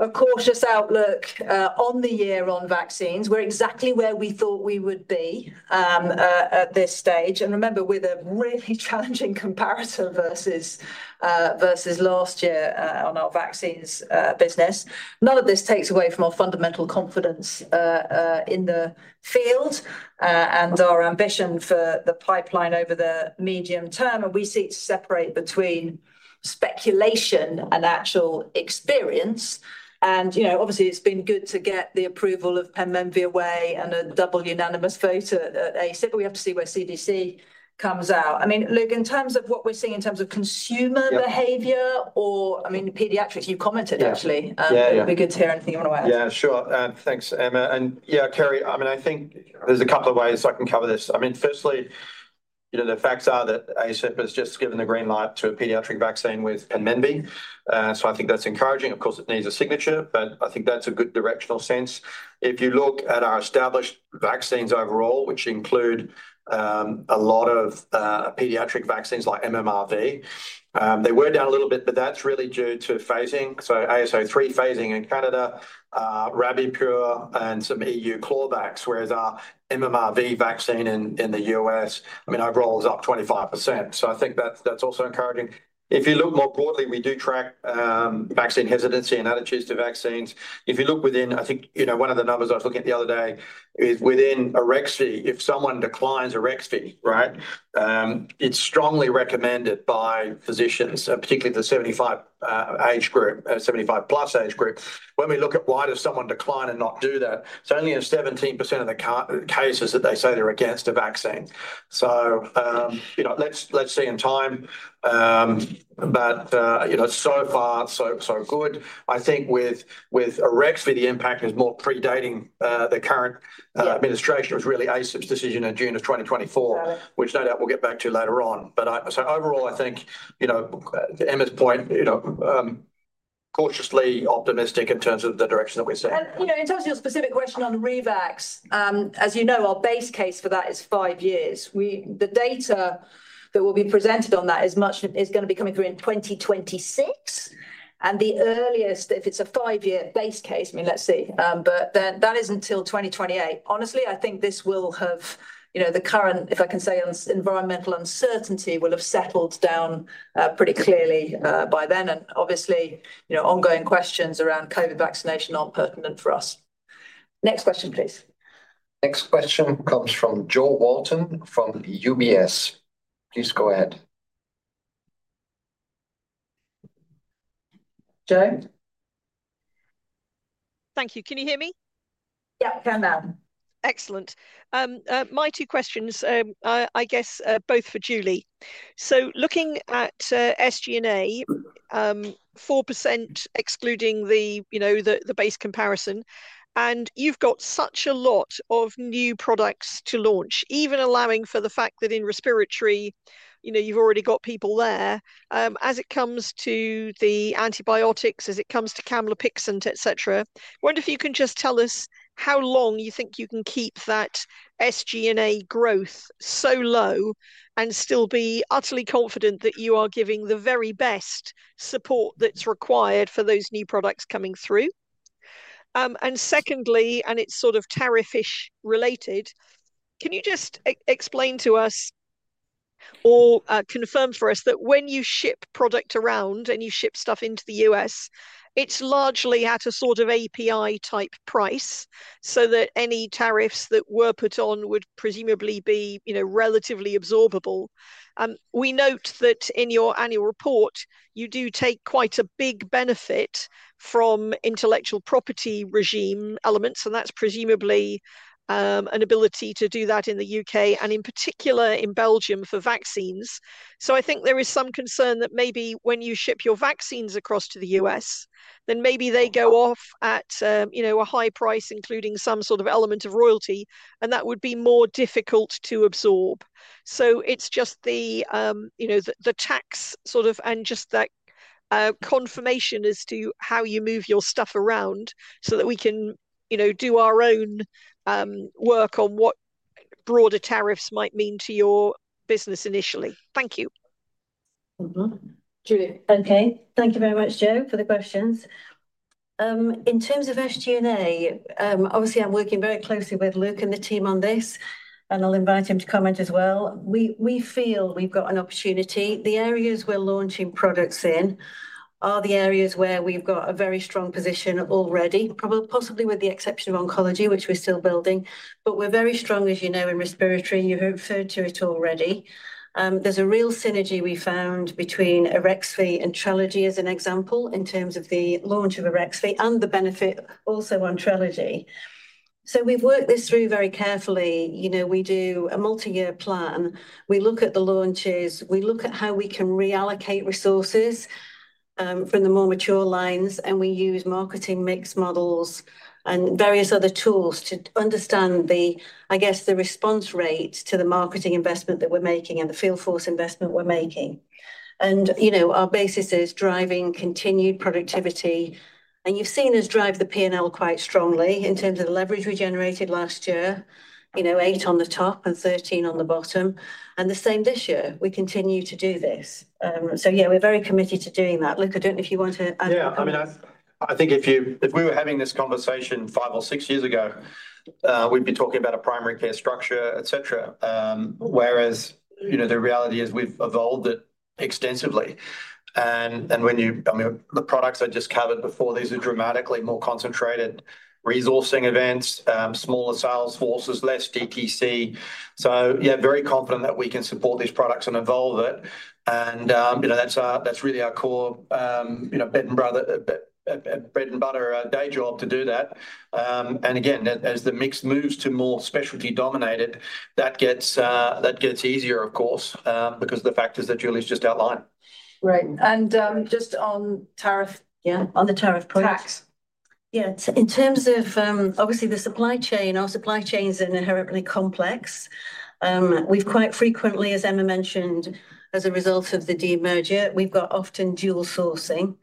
a cautious outlook on the year on vaccines. We're exactly where we thought we would be at this stage. Remember, with a really challenging comparison versus last year on our vaccines business, none of this takes away from our fundamental confidence in the field and our ambition for the pipeline over the medium term. We seek to separate between speculation and actual experience. Obviously, it's been good to get the approval of Penmenvy away and a double unanimous vote at ACIP, but we have to see where CDC comes out. I mean, Luke, in terms of what we're seeing in terms of consumer behaviour or, I mean, paediatrics, you commented, actually. It'd be good to hear anything you want to add. Yeah, sure. Thanks, Emma. Yeah, Kerry, I think there's a couple of ways I can cover this. Firstly, the facts are that ACIP has just given the green light to a pediatric vaccine with Penmenvy. I think that's encouraging. Of course, it needs a signature, but I think that's a good directional sense. If you look at our established vaccines overall, which include a lot of pediatric vaccines like MMRV, they were down a little bit, but that's really due to phasing. AS03 phasing in Canada, Rabipur, and some EU clawbacks, whereas our MMRV vaccine in the U.S., overall is up 25%. I think that's also encouraging. If you look more broadly, we do track vaccine hesitancy and attitudes to vaccines. If you look within, I think one of the numbers I was looking at the other day is within Arexvy, if someone declines Arexvy, it's strongly recommended by physicians, particularly the 75 age group, 75 plus age group. When we look at why does someone decline and not do that, it's only in 17% of the cases that they say they're against a vaccine. Let's see in time. So far, so good. I think with Arexvy, the impact is more predating the current administration. It was really ACIP's decision in June of 2024, which no doubt we'll get back to later on. Overall, I think, to Emma's point, cautiously optimistic in terms of the direction that we're seeing. In terms of your specific question on revax, as you know, our base case for that is five years. The data that will be presented on that is going to be coming through in 2026. The earliest, if it's a five-year base case, I mean, let's see. That is until 2028. Honestly, I think this will have the current, if I can say, environmental uncertainty will have settled down pretty clearly by then. Obviously, ongoing questions around COVID vaccination aren't pertinent for us. Next question, please. Next question comes from Jo Walton from UBS. Please go ahead. Jo. Thank you. Can you hear me? Yeah, I can now. Excellent. My two questions, I guess, both for Julie. Looking at SG&A, 4% excluding the base comparison, and you've got such a lot of new products to launch, even allowing for the fact that in respiratory, you've already got people there. As it comes to the antibiotics, as it comes to camlipixant, et cetera, I wonder if you can just tell us how long you think you can keep that SG&A growth so low and still be utterly confident that you are giving the very best support that's required for those new products coming through. Secondly, and it's sort of tariff-ish related, can you just explain to us or confirm for us that when you ship product around and you ship stuff into the U.S., it's largely at a sort of API-type price so that any tariffs that were put on would presumably be relatively absorbable? We note that in your annual report, you do take quite a big benefit from intellectual property regime elements, and that's presumably an ability to do that in the U.K. and in particular in Belgium for vaccines. I think there is some concern that maybe when you ship your vaccines across to the U.S., then maybe they go off at a high price, including some sort of element of royalty, and that would be more difficult to absorb. It's just the tax sort of and just that confirmation as to how you move your stuff around so that we can do our own work on what broader tariffs might mean to your business initially. Thank you. Julie. Okay. Thank you very much, Jo, for the questions. In terms of SG&A, obviously, I'm working very closely with Luke and the team on this, and I'll invite him to comment as well. We feel we've got an opportunity. The areas we're launching products in are the areas where we've got a very strong position already, possibly with the exception of oncology, which we're still building. We are very strong, as you know, in respiratory. You've referred to it already. There's a real synergy we found between Arexvy and Trelegy as an example in terms of the launch of Arexvy and the benefit also on Trelegy. We have worked this through very carefully. We do a multi-year plan. We look at the launches. We look at how we can reallocate resources from the more mature lines, and we use marketing mix models and various other tools to understand, I guess, the response rate to the marketing investment that we're making and the field force investment we're making. Our basis is driving continued productivity. You've seen us drive the P&L quite strongly in terms of the leverage we generated last year, 8 on the top and 13 on the bottom. The same this year. We continue to do this. Yeah, we're very committed to doing that. Luke, I don't know if you want to add to that. Yeah, I mean, I think if we were having this conversation five or six years ago, we'd be talking about a primary care structure, et cetera. Whereas the reality is we've evolved it extensively. And the products I just covered before, these are dramatically more concentrated resourcing events, smaller sales forces, less DTC. Yeah, very confident that we can support these products and evolve it. That's really our core bread and butter day job to do that. Again, as the mix moves to more specialty-dominated, that gets easier, of course, because of the factors that Julie's just outlined. Right. Just on tariff. Yeah, on the tariff products. Tax. Yeah. In terms of, obviously, the supply chain, our supply chain is inherently complex. Quite frequently, as Emma mentioned, as a result of the de-merger, we've got often dual sourcing.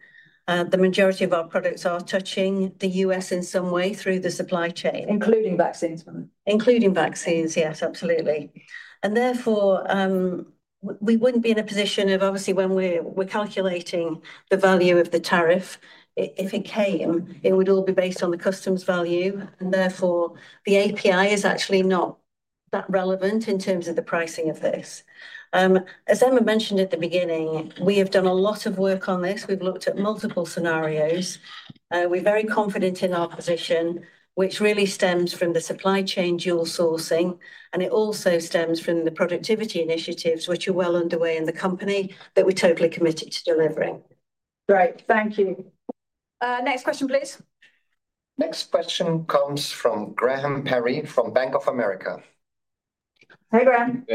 The majority of our products are touching the U.S. in some way through the supply chain. Including vaccines, right? Including vaccines, yes, absolutely. Therefore, we would not be in a position of, obviously, when we are calculating the value of the tariff, if it came, it would all be based on the customs value. Therefore, the API is actually not that relevant in terms of the pricing of this. As Emma mentioned at the beginning, we have done a lot of work on this. We have looked at multiple scenarios. We are very confident in our position, which really stems from the supply chain dual sourcing. It also stems from the productivity initiatives, which are well underway in the company that we are totally committed to delivering. Great. Thank you. Next question, please. Next question comes from Graham Parry from Bank of America. Hey, Graham.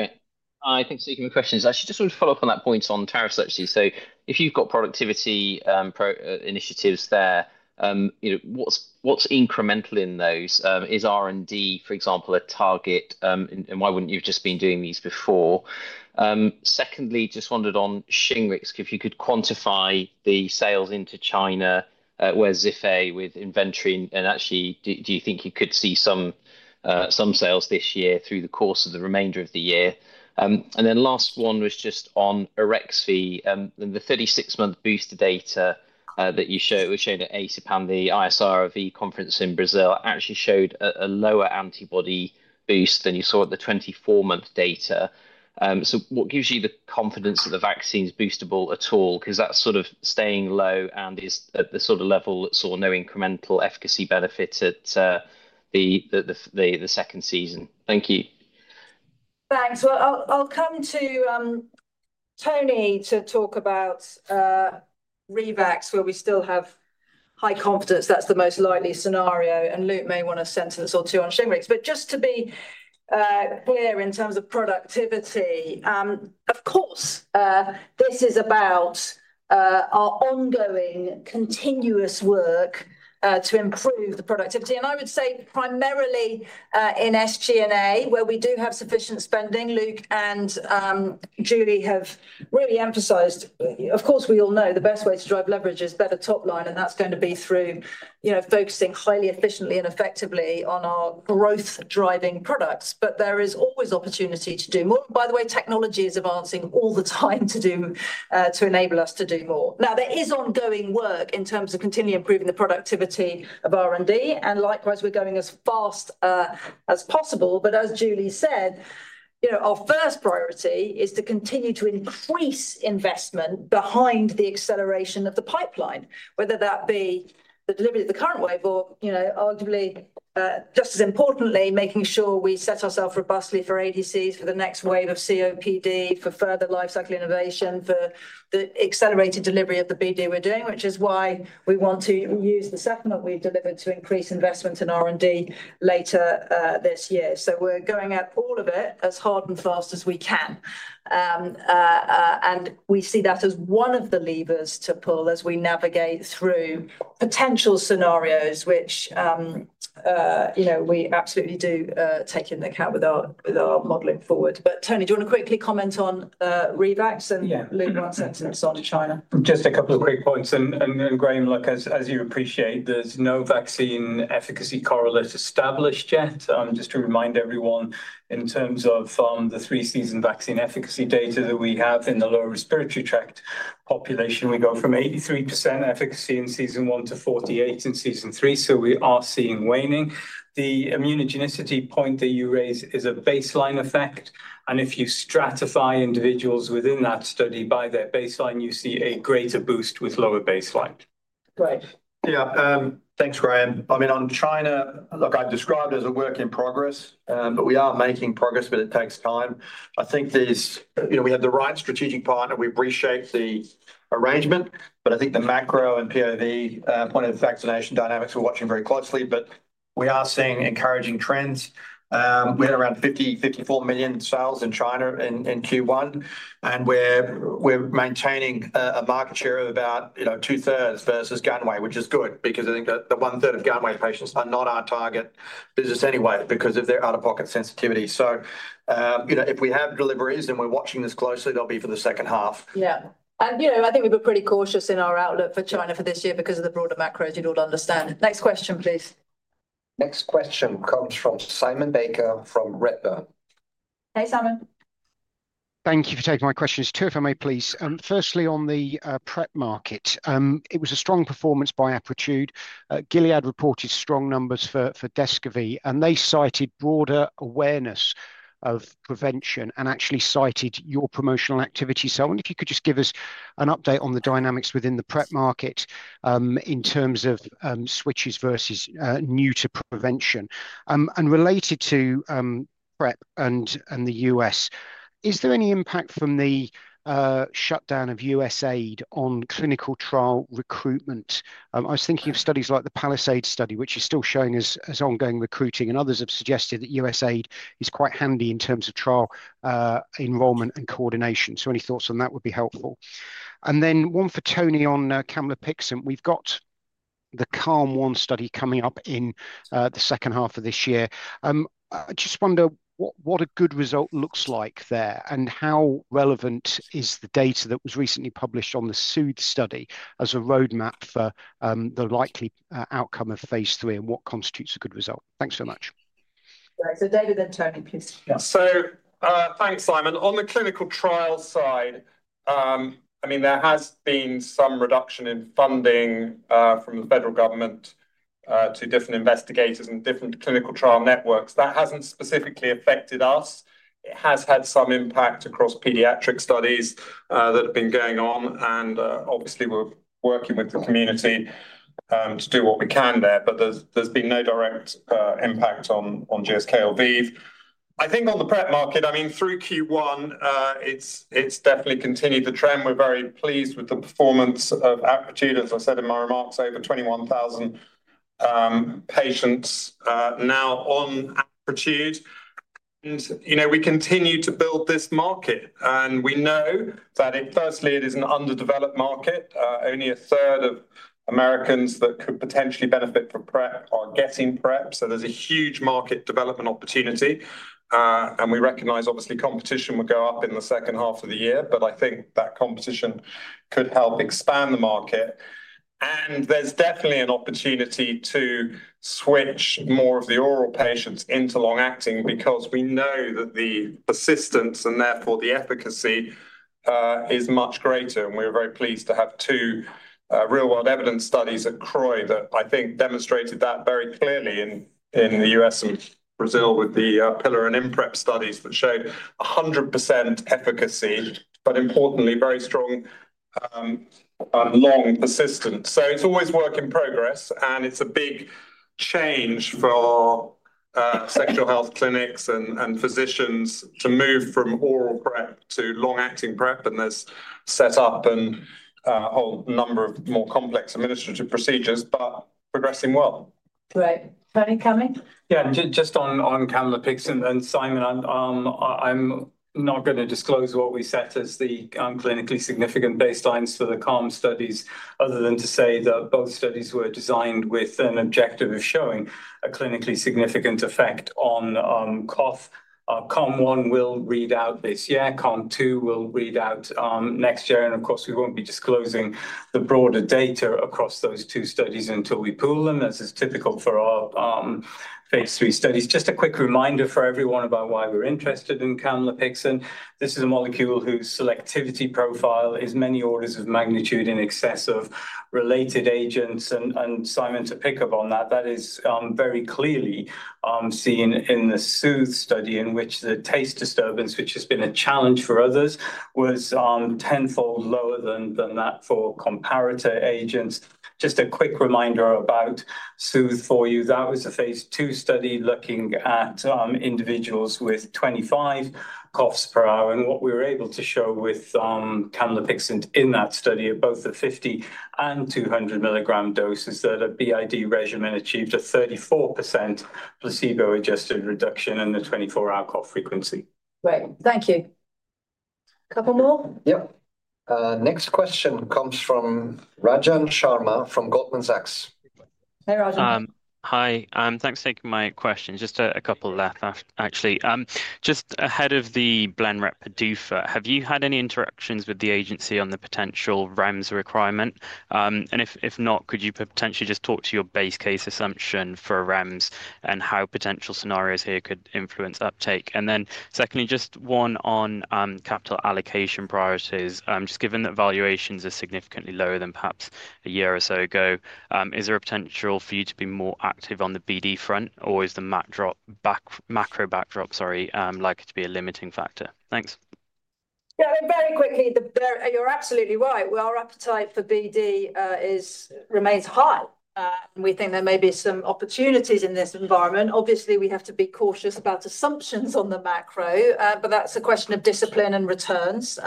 Hi, thanks for taking my questions. I should just sort of follow up on that point on tariffs actually. If you've got productivity initiatives there, what's incremental in those? Is R&D, for example, a target? Why wouldn't you have just been doing these before? Secondly, just wondered on Shingrix, if you could quantify the sales into China where's Zhifei with inventory. Actually, do you think you could see some sales this year through the course of the remainder of the year? The last one was just on Arexvy. The 36-month booster data that you showed, it was shown at ACIP and the ISRV conference in Brazil actually showed a lower antibody boost than you saw at the 24-month data. What gives you the confidence that the vaccine is boostable at all? Because that's sort of staying low and is at the sort of level that saw no incremental efficacy benefit at the second season. Thank you. Thanks. I will come to Tony to talk about revax where we still have high confidence. That is the most likely scenario. Luke may want a sentence or two on Shingrix. Just to be clear in terms of productivity, of course, this is about our ongoing continuous work to improve the productivity. I would say primarily in SG&A where we do have sufficient spending. Luke and Julie have really emphasized, of course, we all know the best way to drive leverage is better top line, and that is going to be through focusing highly efficiently and effectively on our growth-driving products. There is always opportunity to do more. By the way, technology is advancing all the time to enable us to do more. There is ongoing work in terms of continuing improving the productivity of R&D. Likewise, we are going as fast as possible. As Julie said, our first priority is to continue to increase investment behind the acceleration of the pipeline, whether that be the delivery of the current wave or, arguably, just as importantly, making sure we set ourselves robustly for ADCs for the next wave of COPD, for further life cycle innovation, for the accelerated delivery of the BD we're doing, which is why we want to use the second lot we've delivered to increase investment in R&D later this year. We're going at all of it as hard and fast as we can. We see that as one of the levers to pull as we navigate through potential scenarios, which we absolutely do take into account with our modelling forward. Tony, do you want to quickly comment on revax and Luke one sentence on China? Just a couple of quick points. Graham, look, as you appreciate, there is no vaccine efficacy correlate established yet. Just to remind everyone, in terms of the three-season vaccine efficacy data that we have in the lower respiratory tract population, we go from 83% efficacy in season one to 48% in season three. We are seeing waning. The immunogenicity point that you raise is a baseline effect. If you stratify individuals within that study by their baseline, you see a greater boost with lower baseline. Great. Yeah. Thanks, Graham. I mean, on China, look, I've described it as a work in progress, but we are making progress, but it takes time. I think we have the right strategic partner. We've reshaped the arrangement. I think the macro and POV point of vaccination dynamics, we're watching very closely. We are seeing encouraging trends. We had around 50 million-54 million sales in China in Q1. We're maintaining a market share of about two-thirds versus Ganwei, which is good because I think the one-third of Ganwei patients are not our target business anyway because of their out-of-pocket sensitivity. If we have deliveries and we're watching this closely, they'll be for the second half. Yeah. I think we were pretty cautious in our outlook for China for this year because of the broader macro, as you'd all understand. Next question, please. Next question comes from Simon Baker from Redburn. Hey, Simon. Thank you for taking my questions. Two if I may, please. Firstly, on the PrEP market, it was a strong performance by Apretude. Gilead reported strong numbers for Descovy, and they cited broader awareness of prevention and actually cited your promotional activity. I wonder if you could just give us an update on the dynamics within the PrEP market in terms of switches versus new-to-prevention. Related to PrEP and the U.S., is there any impact from the shutdown of USAID on clinical trial recruitment? I was thinking of studies like the Palisade study, which is still showing as ongoing recruiting. Others have suggested that USAID is quite handy in terms of trial enrollment and coordination. Any thoughts on that would be helpful. One for Tony on camlipixant. We've got the CALM-1 study coming up in the second half of this year. I just wonder what a good result looks like there and how relevant is the data that was recently published on the SOOTHE study as a roadmap for the likely outcome of phase three and what constitutes a good result. Thanks very much. Great. David, then Tony, please. Thanks, Simon. On the clinical trial side, I mean, there has been some reduction in funding from the federal government to different investigators and different clinical trial networks. That has not specifically affected us. It has had some impact across paediatric studies that have been going on. Obviously, we're working with the community to do what we can there. There has been no direct impact on GSK or ViiV. I think on the PrEP market, I mean, through Q1, it has definitely continued the trend. We're very pleased with the performance of Apretude, as I said in my remarks, over 21,000 patients now on Apretude. We continue to build this market. We know that, firstly, it is an underdeveloped market. Only a third of Americans that could potentially benefit from PrEP are getting PrEP. There is a huge market development opportunity. We recognize, obviously, competition will go up in the second half of the year. I think that competition could help expand the market. There is definitely an opportunity to switch more of the oral patients into long-acting because we know that the persistence and therefore the efficacy is much greater. We were very pleased to have two real-world evidence studies at CROI that I think demonstrated that very clearly in the U.S. and Brazil with the PILLAR and ImPrEP studies that showed 100% efficacy, but importantly, very strong long persistence. It is always work in progress. It is a big change for sexual health clinics and physicians to move from oral PrEP to long-acting PrEP. There is set up and a whole number of more complex administrative procedures, but progressing well. Great. Tony, come in. Yeah, just on camlipixant and Simon, I'm not going to disclose what we set as the clinically significant baselines for the CALM studies other than to say that both studies were designed with an objective of showing a clinically significant effect on cough. CALM-1 will read out this year. CALM-2 will read out next year. Of course, we won't be disclosing the broader data across those two studies until we pool them, as is typical for our phase three studies. Just a quick reminder for everyone about why we're interested in camlipixant. This is a molecule whose selectivity profile is many orders of magnitude in excess of related agents. Simon, to pick up on that, that is very clearly seen in the SOOTHE study in which the taste disturbance, which has been a challenge for others, was tenfold lower than that for comparator agents. Just a quick reminder about SOOTHE for you. That was a phase two study looking at individuals with 25 coughs per hour. What we were able to show with camlipixant in that study at both the 50 and 200 milligram doses is that a BID regimen achieved a 34% placebo-adjusted reduction in the 24-hour cough frequency. Great. Thank you. Couple more? Yep. Next question comes from Rajan Sharma from Goldman Sachs. Hey, Rajan. Hi. Thanks for taking my question. Just a couple left, actually. Just ahead of the Blenrep PDUFA, have you had any interactions with the agency on the potential REMS requirement? If not, could you potentially just talk to your base case assumption for REMS and how potential scenarios here could influence uptake? Secondly, just one on capital allocation priorities. Just given that valuations are significantly lower than perhaps a year or so ago, is there a potential for you to be more active on the BD front, or is the macro backdrop, sorry, likely to be a limiting factor? Thanks. Yeah, very quickly, you're absolutely right. Our appetite for BD remains high. We think there may be some opportunities in this environment. Obviously, we have to be cautious about assumptions on the macro, but that's a question of discipline and returns.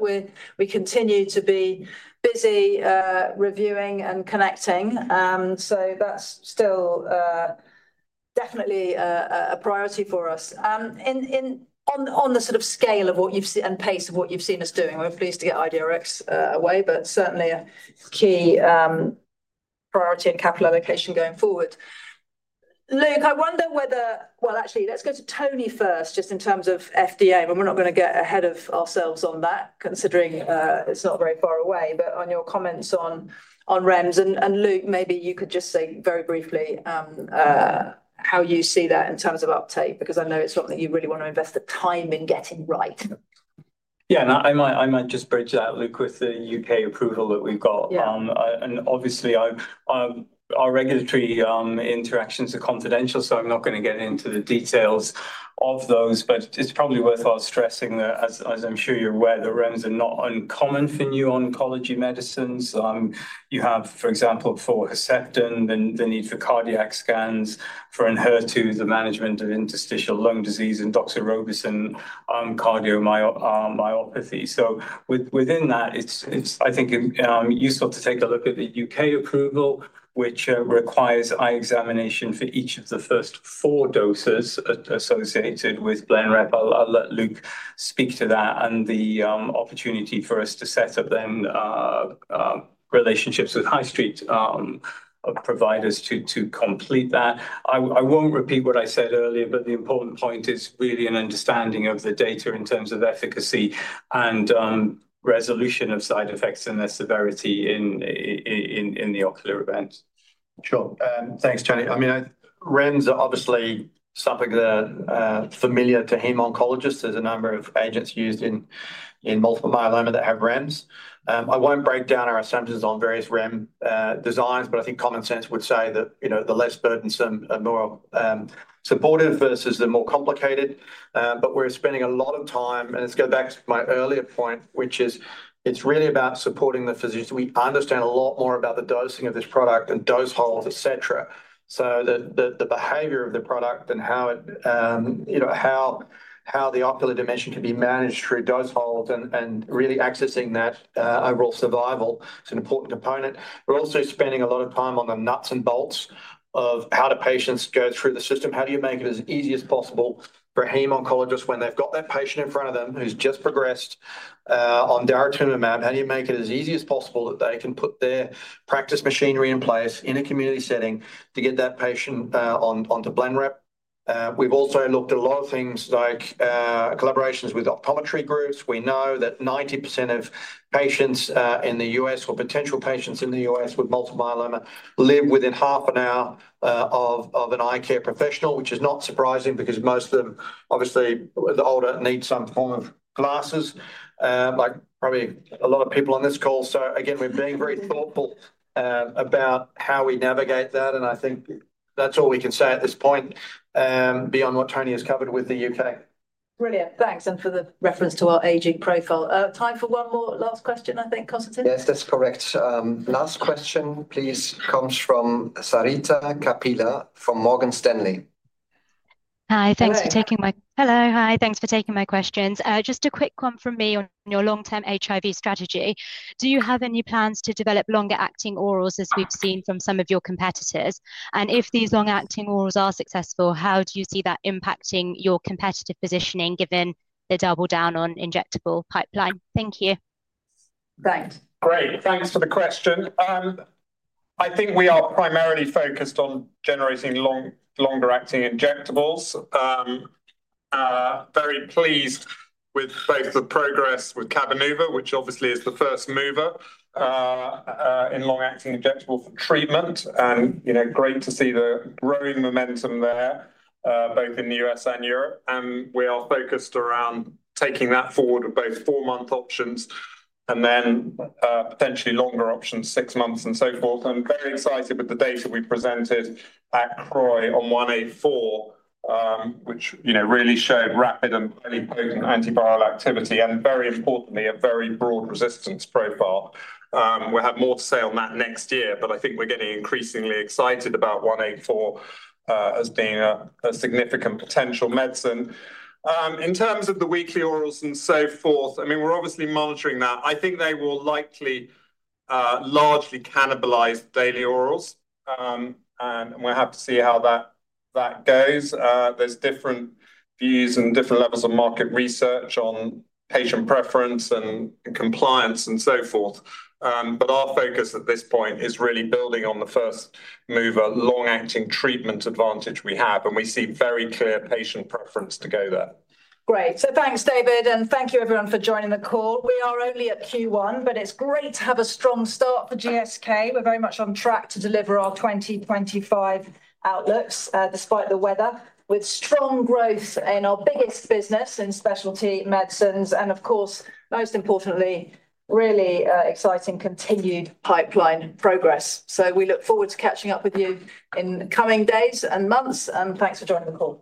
We continue to be busy reviewing and connecting. That's still definitely a priority for us. On the sort of scale of what you've seen and pace of what you've seen us doing, we're pleased to get IDRx away, but certainly a key priority and capital allocation going forward. Luke, I wonder whether, actually, let's go to Tony first just in terms of FDA. We're not going to get ahead of ourselves on that, considering it's not very far away. On your comments on REMS, and Luke, maybe you could just say very briefly how you see that in terms of uptake because I know it's something you really want to invest the time in getting right. Yeah, and I might just bridge that, Luke, with the U.K. approval that we've got. Obviously, our regulatory interactions are confidential, so I'm not going to get into the details of those. It's probably worthwhile stressing, as I'm sure you're aware, that REMS are not uncommon for oncology medicines. You have, for example, for Herceptin, the need for cardiac scans for inheritance, the management of interstitial lung disease, and doxorubicin cardiomyopathy. Within that, I think it's useful to take a look at the U.K. approval, which requires eye examination for each of the first four doses associated with Blenrep. I'll let Luke speak to that and the opportunity for us to set up then relationships with high-street providers to complete that. I won't repeat what I said earlier, but the important point is really an understanding of the data in terms of efficacy and resolution of side effects and their severity in the ocular event. Sure. Thanks, Tony. I mean, REMS is obviously something that's familiar to hem-oncologists. There's a number of agents used in multiple myeloma that have REMS. I won't break down our assumptions on various REM designs, but I think common sense would say that the less burdensome are more supportive versus the more complicated. We're spending a lot of time, and it's going back to my earlier point, which is it's really about supporting the physicians. We understand a lot more about the dosing of this product and dose holds, etc., so that the behavior of the product and how the ocular dimension can be managed through dose holds and really accessing that overall survival is an important component. We're also spending a lot of time on the nuts and bolts of how do patients go through the system. How do you make it as easy as possible for a hem-oncologist when they've got that patient in front of them who's just progressed on daratumumab? How do you make it as easy as possible that they can put their practice machinery in place in a community setting to get that patient onto Blenrep? We've also looked at a lot of things like collaborations with optometry groups. We know that 90% of patients in the U.S. or potential patients in the U.S. with multiple myeloma live within half an hour of an eye care professional, which is not surprising because most of them, obviously, the older need some form of glasses, like probably a lot of people on this call. We are being very thoughtful about how we navigate that. I think that's all we can say at this point beyond what Tony has covered with the U.K. Brilliant. Thanks. For the reference to our aging profile, time for one more last question, I think, Constantin? Yes, that's correct. Last question, please, comes from Sarita Kapila from Morgan Stanley. Hi, thanks for taking my question. Hello, hi. Thanks for taking my questions. Just a quick one from me on your long-term HIV strategy. Do you have any plans to develop longer-acting orals as we've seen from some of your competitors? If these long-acting orals are successful, how do you see that impacting your competitive positioning given the double down on injectable pipeline? Thank you. Thanks. Great. Thanks for the question. I think we are primarily focused on generating longer-acting injectables. Very pleased with both the progress with Cabenuva, which obviously is the first mover in long-acting injectable treatment. Great to see the growing momentum there, both in the U.S. and Europe. We are focused around taking that forward with both four-month options and then potentially longer options, six months and so forth. I'm very excited with the data we presented at CROI on 184, which really showed rapid and highly potent antiviral activity and, very importantly, a very broad resistance profile. We'll have more to say on that next year, but I think we're getting increasingly excited about 184 as being a significant potential medicine. In terms of the weekly orals and so forth, I mean, we're obviously monitoring that. I think they will likely largely cannibalize daily orals. We are happy to see how that goes. There are different views and different levels of market research on patient preference and compliance and so forth. Our focus at this point is really building on the first mover long-acting treatment advantage we have. We see very clear patient preference to go there. Great. Thanks, David. Thank you, everyone, for joining the call. We are only at Q1, but it's great to have a strong start for GSK. We're very much on track to deliver our 2025 outlooks despite the weather, with strong growth in our biggest business in specialty medicines. Of course, most importantly, really exciting continued pipeline progress. We look forward to catching up with you in coming days and months. Thanks for joining the call.